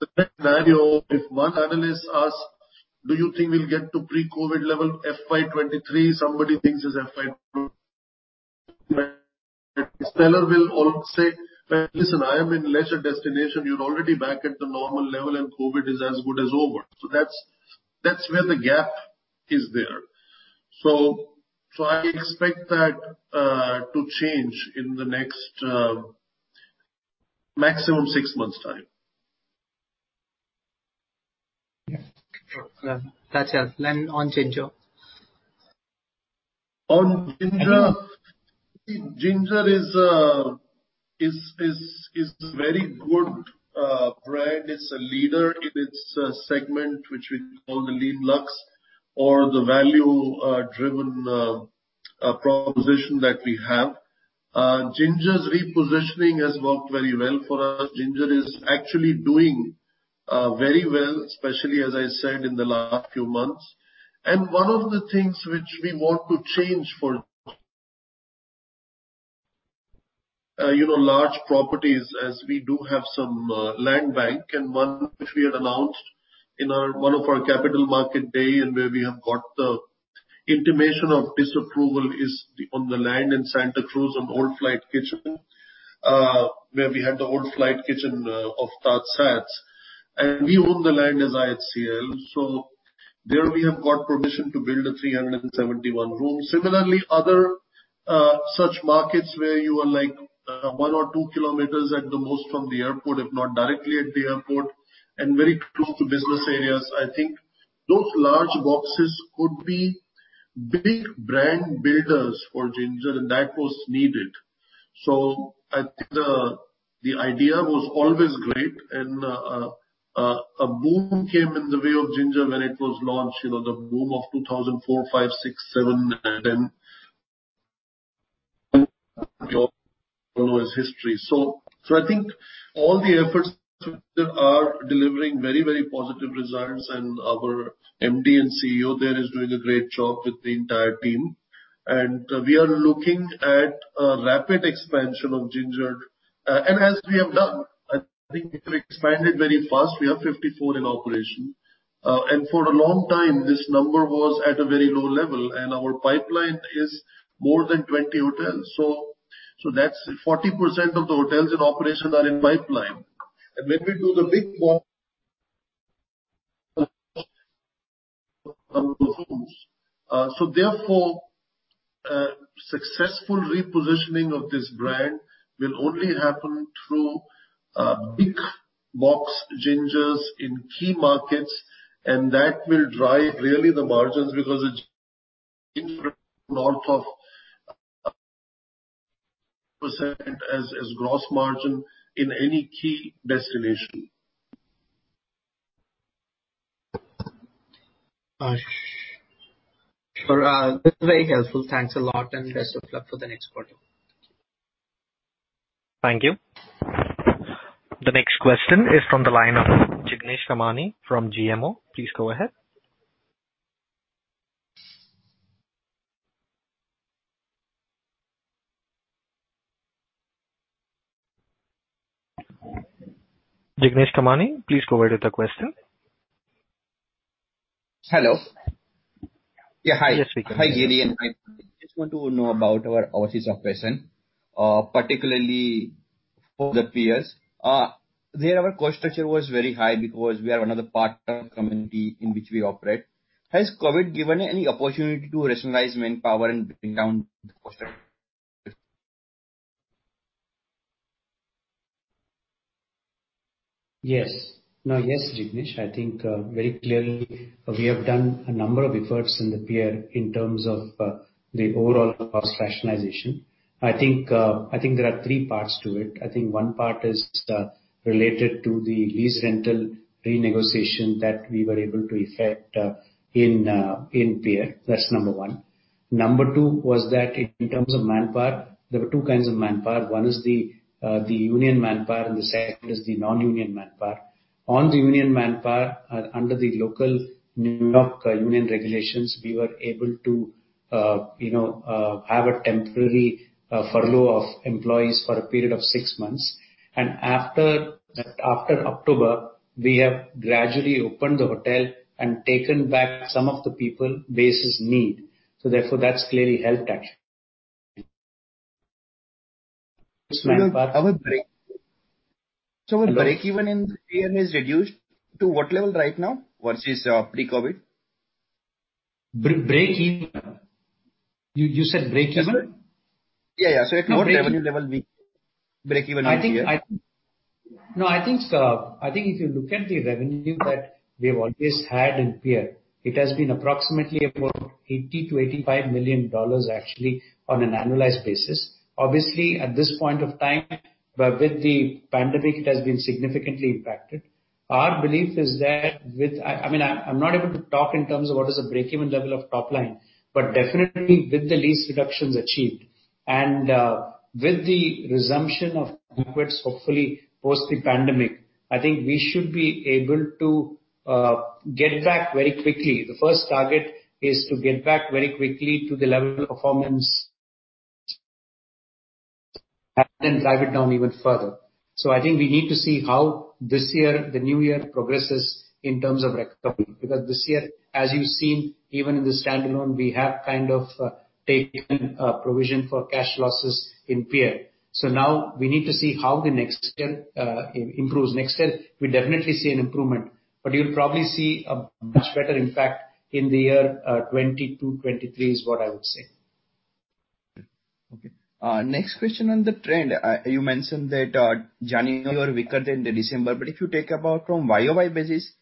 The next scenario, if one analyst asks, "Do you think we'll get to pre-COVID level FY 2023?" Somebody thinks it's FY sellers will all say, "Well, listen, I am in leisure destination. You're already back at the normal level and COVID is as good as over." That's where the gap is there. I expect that to change in the next maximum six months' time. Yeah. Gotcha. On Ginger. On Ginger. Ginger is a very good brand. It's a leader in its segment, which we call the lean luxe or the value-driven proposition that we have. Ginger's repositioning has worked very well for us. Ginger is actually doing very well, especially as I said in the last few months. One of the things which we want to change for large properties, as we do have some land bank, and one which we had announced in one of our capital market day and where we have got the intimation of disapproval is on the land in Santa Cruz on old flight kitchen, where we had the old flight kitchen of TajSATS. We own the land as IHCL, so there we have got permission to build a 371-room. Similarly, other such markets where you are one or two kilometers at the most from the airport, if not directly at the airport, and very close to business areas. I think those large boxes could be big brand builders for Ginger, and that was needed. I think the idea was always great, and a boom came in the way of Ginger when it was launched, the boom of 2004, 2005, 2006, 2007, 2009, 2010 is history. I think all the efforts are delivering very positive results, and our MD and CEO there is doing a great job with the entire team. We are looking at a rapid expansion of Ginger. As we have done, I think we can expand it very fast. We have 54 in operation. For a long time, this number was at a very low level, and our pipeline is more than 20 hotels. That's 40% of the hotels in operation are in pipeline. Therefore, successful repositioning of this brand will only happen through big box Gingers in key markets, and that will drive really the margins because it's north of percentage as gross margin in any key destination. Sure. This is very helpful. Thanks a lot. Best of luck for the next quarter. Thank you. The next question is from the line of Jignesh Kamani from GMO. Please go ahead. Jignesh Kamani, please go ahead with the question. Hello. Yes, we can hear you. Yeah, hi. Hi, Giri and hi Puneet. I just want to know about our offices of personnel, particularly for The Pierre. There, our cost structure was very high because we are another partner community in which we operate. Has COVID given any opportunity to rationalize manpower and bring down the cost structure? Yes. No, yes, Jignesh. I think very clearly, we have done a number of efforts in The Pierre in terms of the overall cost rationalization. I think there are three parts to it. I think one part is related to the lease rental renegotiation that we were able to effect in The Pierre. That's number one. Number two was that in terms of manpower, there were two kinds of manpower. One is the union manpower and the second is the non-union manpower. On the union manpower, under the local New York union regulations, we were able to have a temporary furlough of employees for a period of six months. After October, we have gradually opened the hotel and taken back some of the people basis need. Therefore, that's clearly helped actually. The breakeven in Pierre has reduced to what level right now versus pre-COVID? Breakeven? You said breakeven? Yeah. At what revenue level will be breakeven in Pierre? I think if you look at the revenue that we have always had in Pierre, it has been approximately about $80 million-$85 million actually on an annualized basis. At this point of time, with the pandemic, it has been significantly impacted. Our belief is that, I'm not able to talk in terms of what is a breakeven level of top line, but definitely with the lease reductions achieved and with the resumption of inputs hopefully post the pandemic, I think we should be able to get back very quickly. The first target is to get back very quickly to the level of performance then drive it down even further. I think we need to see how this year, the new year, progresses in terms of recovery. This year, as you've seen, even in the standalone, we have kind of taken a provision for cash losses in Pierre. Now we need to see how the next step improves. Next step, we definitely see an improvement, you'll probably see a much better impact in the year 2022, 2023 is what I would say. Okay. Next question on the trend. You mentioned that January was weaker than the December, if you take about from YOY basis,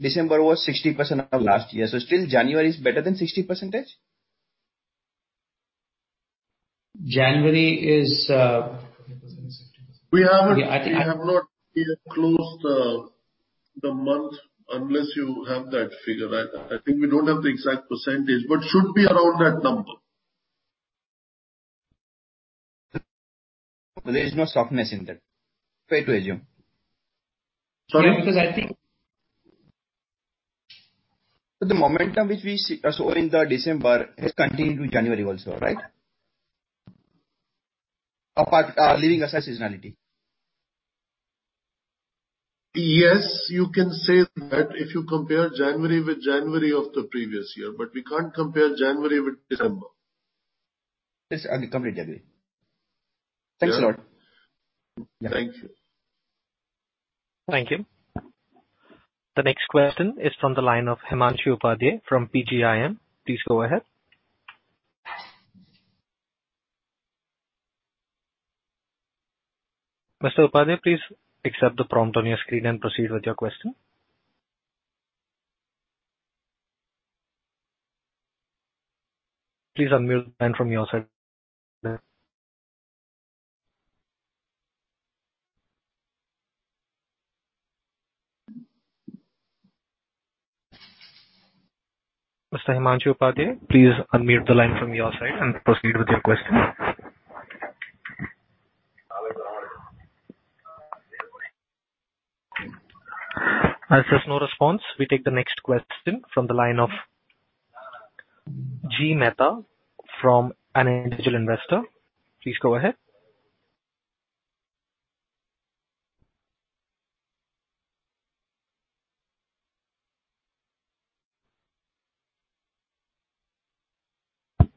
December was 60% of last year. Still January is better than 60%? January is. We have not yet closed the month. Unless you have that figure, I think we don't have the exact %, but should be around that number. There is no softness in that, fair to assume. Sorry? I think the momentum which we saw in the December has continued to January also, right, leaving aside seasonality. Yes, you can say that if you compare January with January of the previous year, but we can't compare January with December. Yes, I'll compare with January. Thanks a lot. Thank you. Thank you. The next question is from the line of Himanshu Upadhyay from PGIM. Please go ahead. Mr. Upadhyay, please accept the prompt on your screen and proceed with your question. As there's no response, we take the next question from the line of G. Mehta from an individual investor. Please go ahead.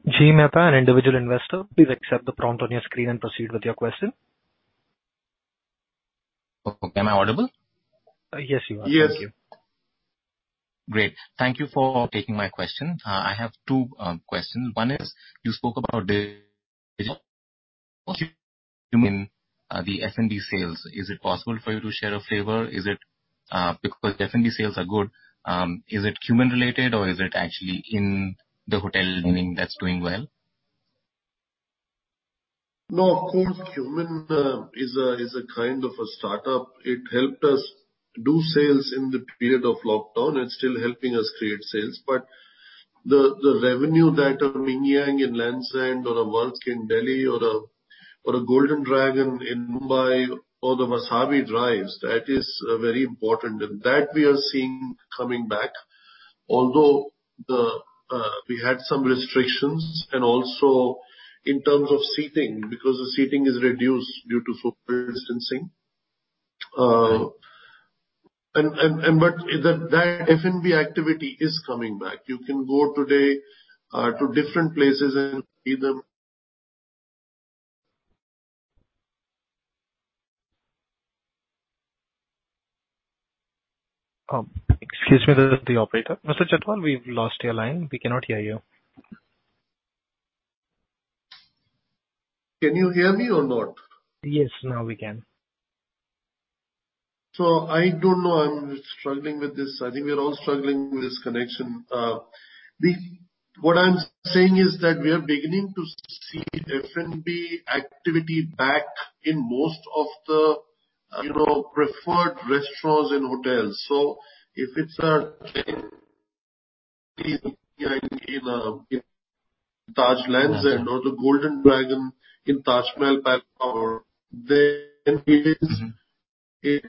G. Mehta, an individual investor. Please accept the prompt on your screen and proceed with your question. Am I audible? Yes, you are. Yes. Great. Thank you for taking my question. I have two questions. One is, you spoke about the F&B sales. Is it possible for you to share a flavor? F&B sales are good, is it Qmin related or is it actually in the hotel meaning that's doing well? Of course, Qmin is a kind of a startup. It helped us do sales in the period of lockdown and still helping us create sales. The revenue that a Ming Yang in Lands End or a Varq in Delhi or a Golden Dragon in Mumbai or the Wasabi by Morimoto, that is very important. That we are seeing coming back. Although, we had some restrictions and also in terms of seating, because the seating is reduced due to social distancing. That F&B activity is coming back. You can go today to different places and see them. Excuse me, this is the operator. Mr. Chhatwal, we've lost your line. We cannot hear you. Can you hear me or not? Yes. Now we can. I don't know. I'm struggling with this. I think we're all struggling with this connection. What I'm saying is that we are beginning to see F&B activity back in most of the preferred restaurants and hotels. If it's a chain in Taj Lands End or the Golden Dragon in Taj Mahal Palace, then it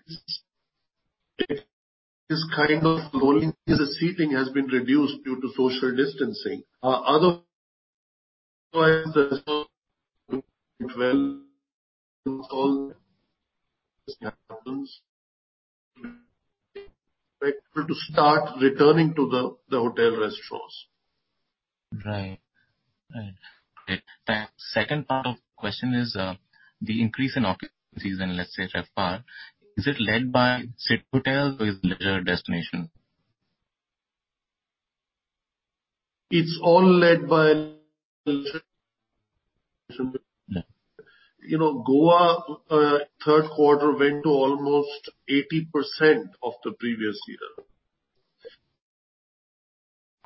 is kind of rolling as the seating has been reduced due to social distancing. Otherwise, to start returning to the hotel restaurants. Right. Great. The second part of the question is, the increase in occupancies in, let's say, RevPAR, is it led by city hotels or is leisure destination? It's all led by. Goa, third quarter went to almost 80% of the previous year.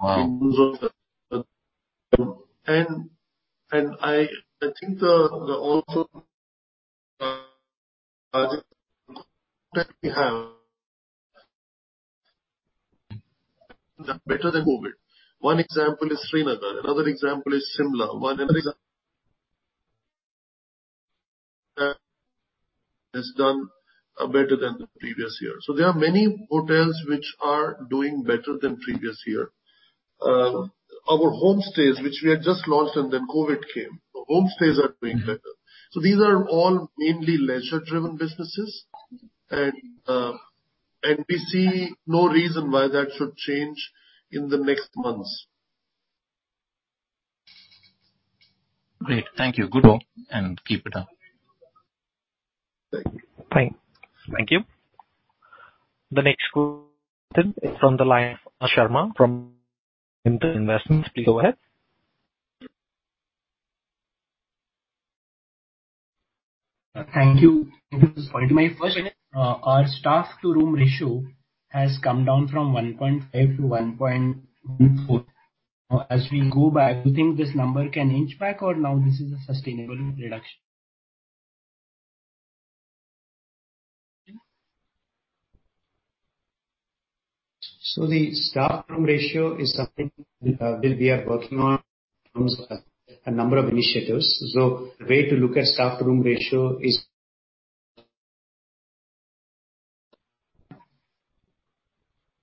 Wow. In terms of that. I think the also that we have are better than COVID. One example is Srinagar. Another example is Shimla. One another example has done better than the previous year. There are many hotels which are doing better than previous year. Our homestays, which we had just launched and then COVID came. The homestays are doing better. These are all mainly leisure-driven businesses. We see no reason why that should change in the next months. Great. Thank you. Good work and keep it up. Thank you. Thank you. The next question is from the line of Sharma from Nimble Investments. Please go ahead. Thank you. Thank you for this point. My first one is, our staff to room ratio has come down from 1.5 to 1.14. As we go back, do you think this number can inch back or now this is a sustainable reduction? The staff room ratio is something that we are working on in terms of a number of initiatives. The way to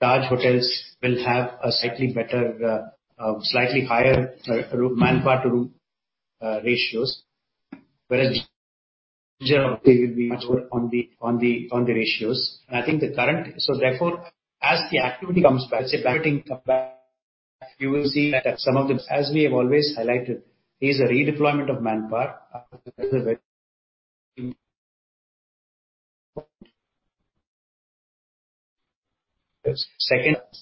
look at staff room ratio is Taj Hotels will have a slightly higher manpower to room ratios, whereas will be much lower on the ratios. Therefore, as the activity comes back, as the meetings come back, you will see that some of them, as we have always highlighted, is a redeployment of manpower.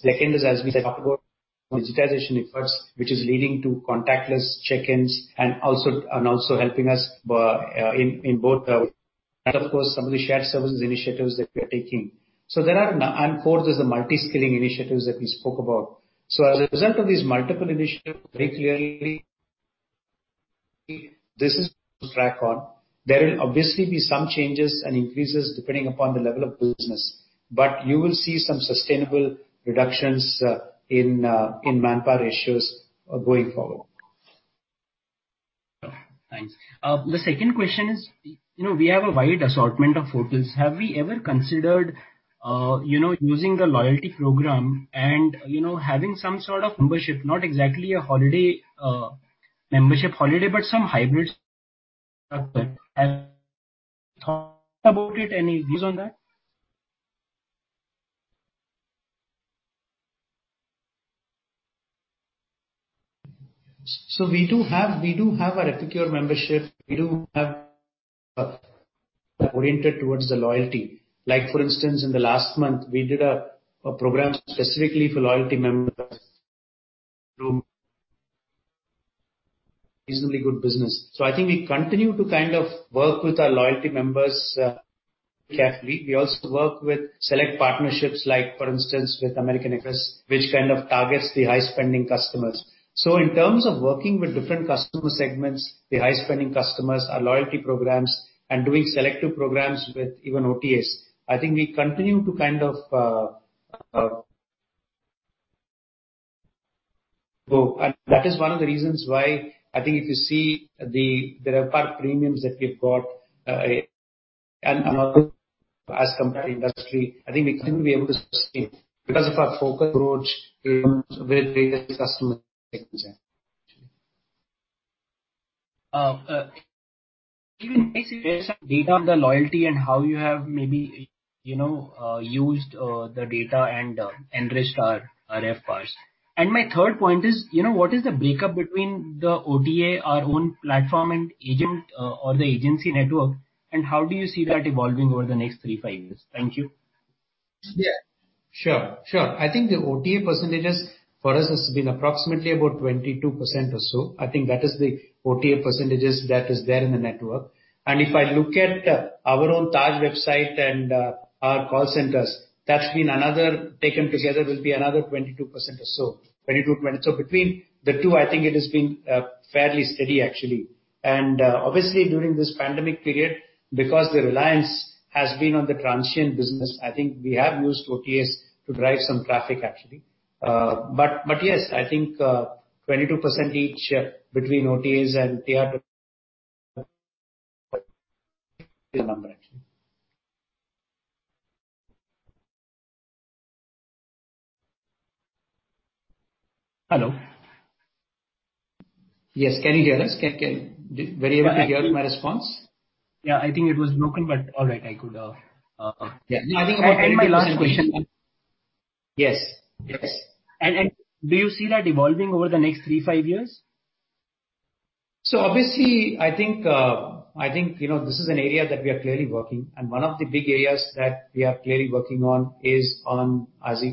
Second is, as we talked about digitization efforts, which is leading to contactless check-ins and also helping us in both. Of course, some of the shared services initiatives that we are taking. Fourth is the multi-skilling initiatives that we spoke about. As a result of these multiple initiatives, very clearly, this is track on. There will obviously be some changes and increases depending upon the level of business. You will see some sustainable reductions in manpower ratios going forward. Thanks. The second question is, we have a wide assortment of hotels. Have we ever considered using the loyalty program and having some sort of membership, not exactly a membership holiday, but some hybrid thought about it? Any views on that? We do have a Ranthambore membership. We do have oriented towards the loyalty. For instance, in the last month, we did a program specifically for loyalty members to reasonably good business. I think we continue to work with our loyalty members carefully. We also work with select partnerships like, for instance, with American Express, which targets the high-spending customers. In terms of working with different customer segments, the high-spending customers, our loyalty programs, and doing selective programs with even OTAs, that is one of the reasons why I think if you see the RevPAR premiums that we've got as compared to industry, I think we continue to be able to sustain because of our focused approach with customer segments. Even data on the loyalty and how you have maybe used the data and enriched our RevPARs. My third point is, what is the breakup between the OTA, our own platform and agent or the agency network, and how do you see that evolving over the next three, five years? Thank you. Yeah. Sure. I think the OTA percentages for us has been approximately about 22% or so. I think that is the OTA percentages that is there in the network. If I look at our own Taj website and our call centers, taken together, will be another 22% or so. Between the two, I think it has been fairly steady, actually. Obviously, during this pandemic period, because the reliance has been on the transient business, I think we have used OTAs to drive some traffic, actually. Yes, I think 22% each between OTAs and number actually. Hello? Yes, can you hear us? Were you able to hear my response? Yeah, I think it was broken, but all right. Yeah. I end my last question. Yes. Do you see that evolving over the next three to five years? Obviously, I think this is an area that we are clearly working on. One of the big areas that we are clearly working on is,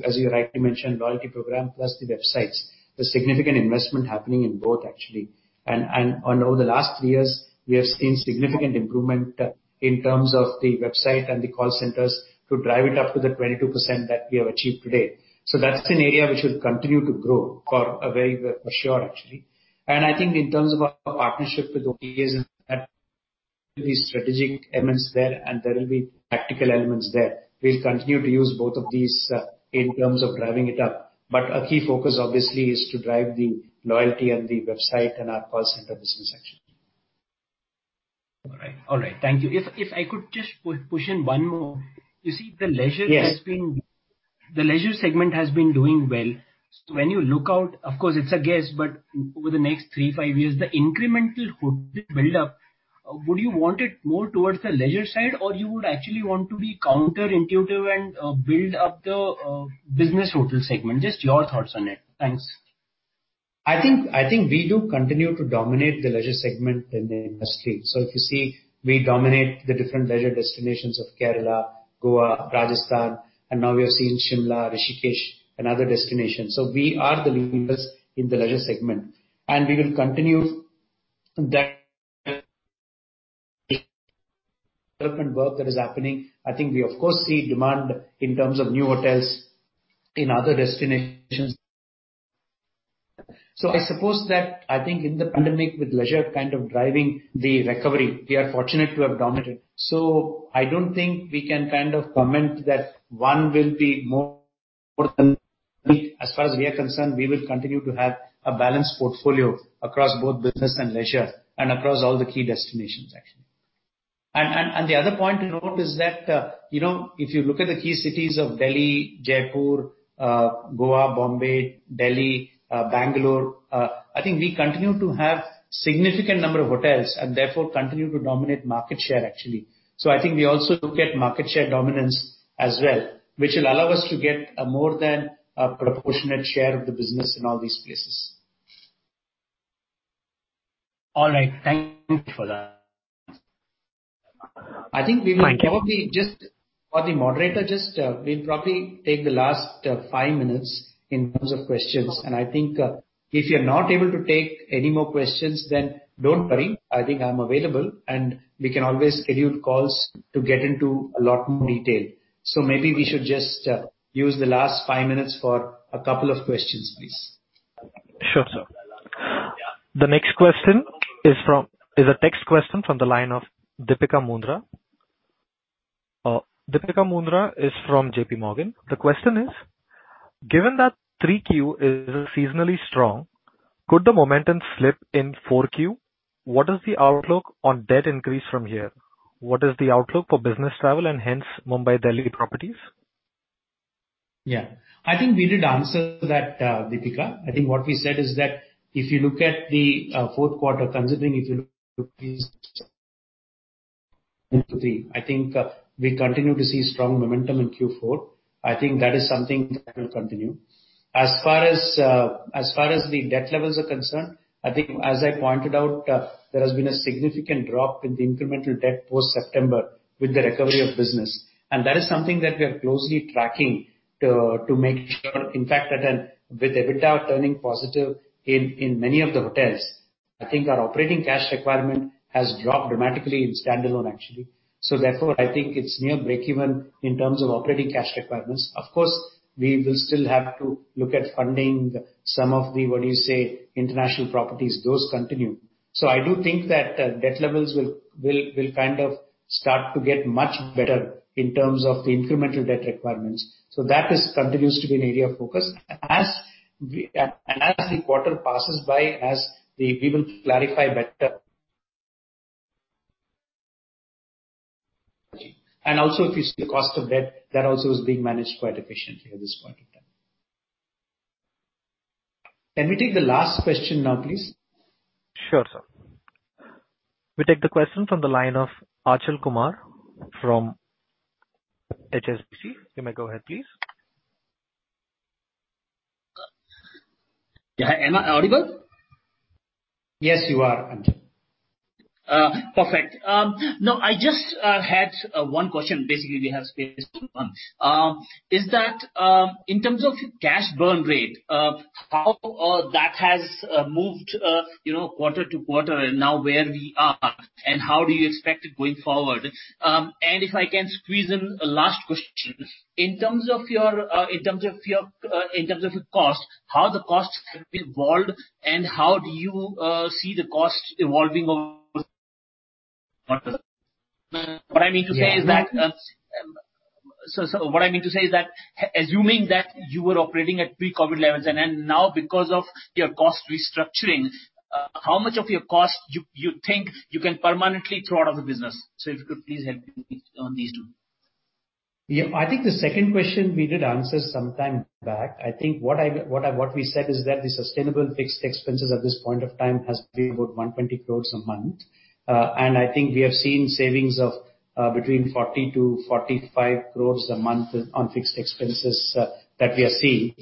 as you rightly mentioned, loyalty program plus the websites. There's significant investment happening in both, actually. Over the last three years, we have seen significant improvement in terms of the website and the call centers to drive it up to the 22% that we have achieved today. That's an area which will continue to grow for sure, actually. I think in terms of our partnership with OTAs and that, there will be strategic elements there, and there will be tactical elements there. We'll continue to use both of these in terms of driving it up. A key focus obviously is to drive the loyalty and the website and our call center business actually. All right. Thank you. If I could just push in one more. Yes The leisure segment has been doing well. When you look out, of course it's a guess, but over the next three to five years, the incremental hotel build up, would you want it more towards the leisure side or you would actually want to be counterintuitive and build up the business hotel segment? Just your thoughts on it. Thanks. I think we do continue to dominate the leisure segment in the industry. If you see, we dominate the different leisure destinations of Kerala, Goa, Rajasthan, and now we are seeing Shimla, Rishikesh and other destinations. We are the leaders in the leisure segment, and we will continue that development work that is happening. I think we, of course, see demand in terms of new hotels in other destinations. I suppose that, I think in the pandemic, with leisure kind of driving the recovery, we are fortunate to have dominated. I don't think we can comment that one will be more than As far as we are concerned, we will continue to have a balanced portfolio across both business and leisure and across all the key destinations, actually. The other point to note is that, if you look at the key cities of Delhi, Jaipur, Goa, Bombay, Delhi, Bangalore, I think we continue to have significant number of hotels and therefore continue to dominate market share, actually. I think we also look at market share dominance as well, which will allow us to get a more than proportionate share of the business in all these places. All right. Thank you for that. I think we will probably just for the moderator, just we'll probably take the last five minutes in terms of questions. I think if you're not able to take any more questions, then don't worry. I think I'm available, and we can always schedule calls to get into a lot more detail. Maybe we should just use the last five minutes for a couple of questions, please. Sure, sir. The next question is a text question from the line of Deepika Mundra. Deepika Mundra is from J.P. Morgan. The question is: Given that 3 Q is seasonally strong, could the momentum slip in 4 Q? What is the outlook on debt increase from here? What is the outlook for business travel and hence Mumbai/Delhi properties? Yeah. I think we did answer that, Deepika. I think what we said is that if you look at the fourth quarter, considering we continue to see strong momentum in Q4. I think that is something that will continue. As far as the debt levels are concerned, I think as I pointed out, there has been a significant drop in the incremental debt post-September with the recovery of business. That is something that we are closely tracking to make sure, in fact, that with EBITDA turning positive in many of the hotels, I think our operating cash requirement has dropped dramatically in standalone, actually. Therefore, I think it's near breakeven in terms of operating cash requirements. Of course, we will still have to look at funding some of the, what do you say, international properties. Those continue. I do think that debt levels will kind of start to get much better in terms of the incremental debt requirements. That continues to be an area of focus. As the quarter passes by, we will clarify better. Also, if you see the cost of debt, that also is being managed quite efficiently at this point in time. Can we take the last question now, please? Sure, sir. We take the question from the line of Achal Kumar from HSBC. You may go ahead, please. Yeah. Am I audible? Yes, you are. Perfect. I just had one question, basically. Is that, in terms of cash burn rate, how that has moved quarter to quarter, and now where we are and how do you expect it going forward? If I can squeeze in a last question. In terms of your cost, how the costs have evolved, and how do you see the costs evolving over. Yeah Assuming that you were operating at pre-COVID levels, and then now because of your cost restructuring, how much of your cost do you think you can permanently throw out of the business? If you could please help me on these two. Yeah. I think the second question we did answer some time back. I think what we said is that the sustainable fixed expenses at this point of time has been about 120 crore a month. I think we have seen savings of between 40-45 crore a month on fixed expenses that we are seeing.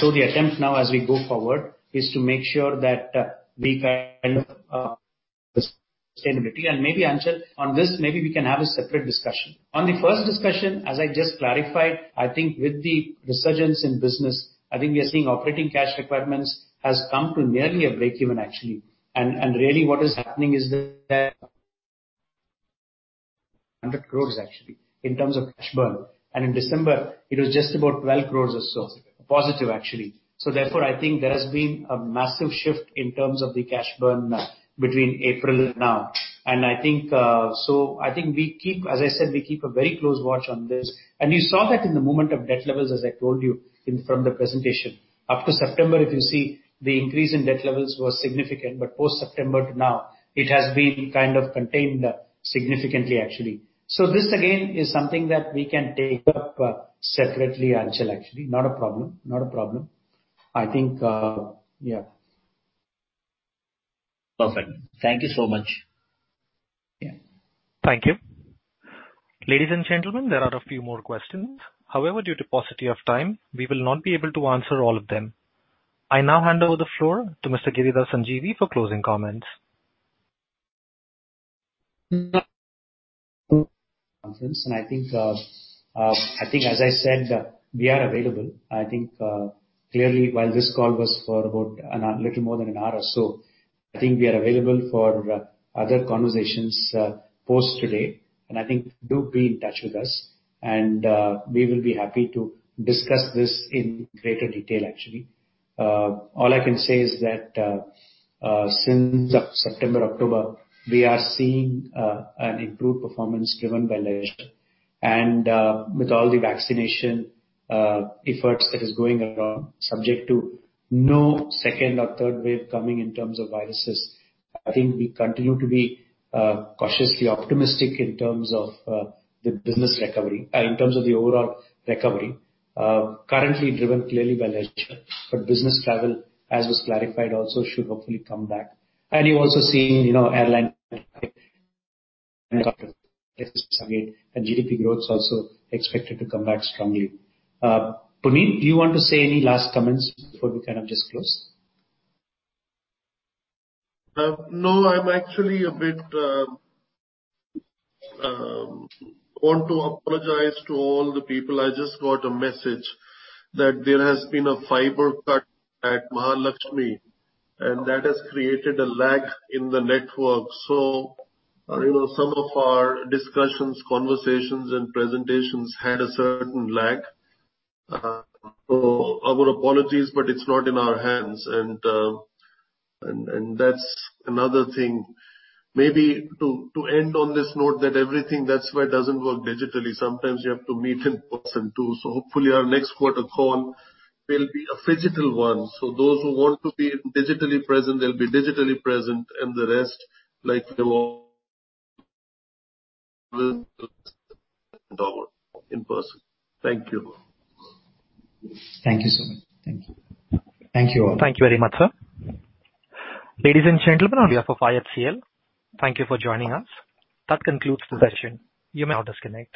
So the attempt now as we go forward is to make sure that we kind of sustainability and maybe, Achal, on this, maybe we can have a separate discussion. On the first discussion, as I just clarified, I think with the resurgence in business, I think we are seeing operating cash requirements has come to nearly a breakeven actually. Really what is happening is that 100 crore actually, in terms of cash burn. In December, it was just about 12 crore or so. Positive, actually. Therefore, I think there has been a massive shift in terms of the cash burn between April and now. As I said, we keep a very close watch on this. You saw that in the movement of debt levels, as I told you from the presentation. Up to September, if you see, the increase in debt levels was significant, but post September to now, it has been kind of contained significantly, actually. This again, is something that we can take up separately, Achal, actually. Not a problem. I think, yeah. Perfect. Thank you so much. Yeah. Thank you. Ladies and gentlemen, there are a few more questions. Due to paucity of time, we will not be able to answer all of them. I now hand over the floor to Mr. Giridhar Sanjeevi for closing comments. I think, as I said, we are available. I think, clearly while this call was for about a little more than an hour or so, I think we are available for other conversations post today. I think do be in touch with us and we will be happy to discuss this in greater detail, actually. All I can say is that, since September, October, we are seeing an improved performance driven by leisure. With all the vaccination efforts that is going around, subject to no second or third wave coming in terms of viruses, I think we continue to be cautiously optimistic in terms of the business recovery, in terms of the overall recovery. Currently driven clearly by leisure, but business travel, as was clarified also should hopefully come back. You've also seen airline and GDP growth also expected to come back strongly. Puneet, do you want to say any last comments before we kind of just close? No, I want to apologize to all the people. I just got a message that there has been a fiber cut at Mahalakshmi and that has created a lag in the network. Some of our discussions, conversations, and presentations had a certain lag. Our apologies, but it's not in our hands and that's another thing. Maybe to end on this note that everything that's why it doesn't work digitally. Sometimes you have to meet in person, too. Hopefully our next quarter call will be a phygital one. Those who want to be digitally present, they'll be digitally present and the rest, like in person. Thank you. Thank you, sir. Thank you. Thank you all. Thank you very much, sir. Ladies and gentlemen, on behalf of IHCL, thank you for joining us. That concludes the session. You may now disconnect.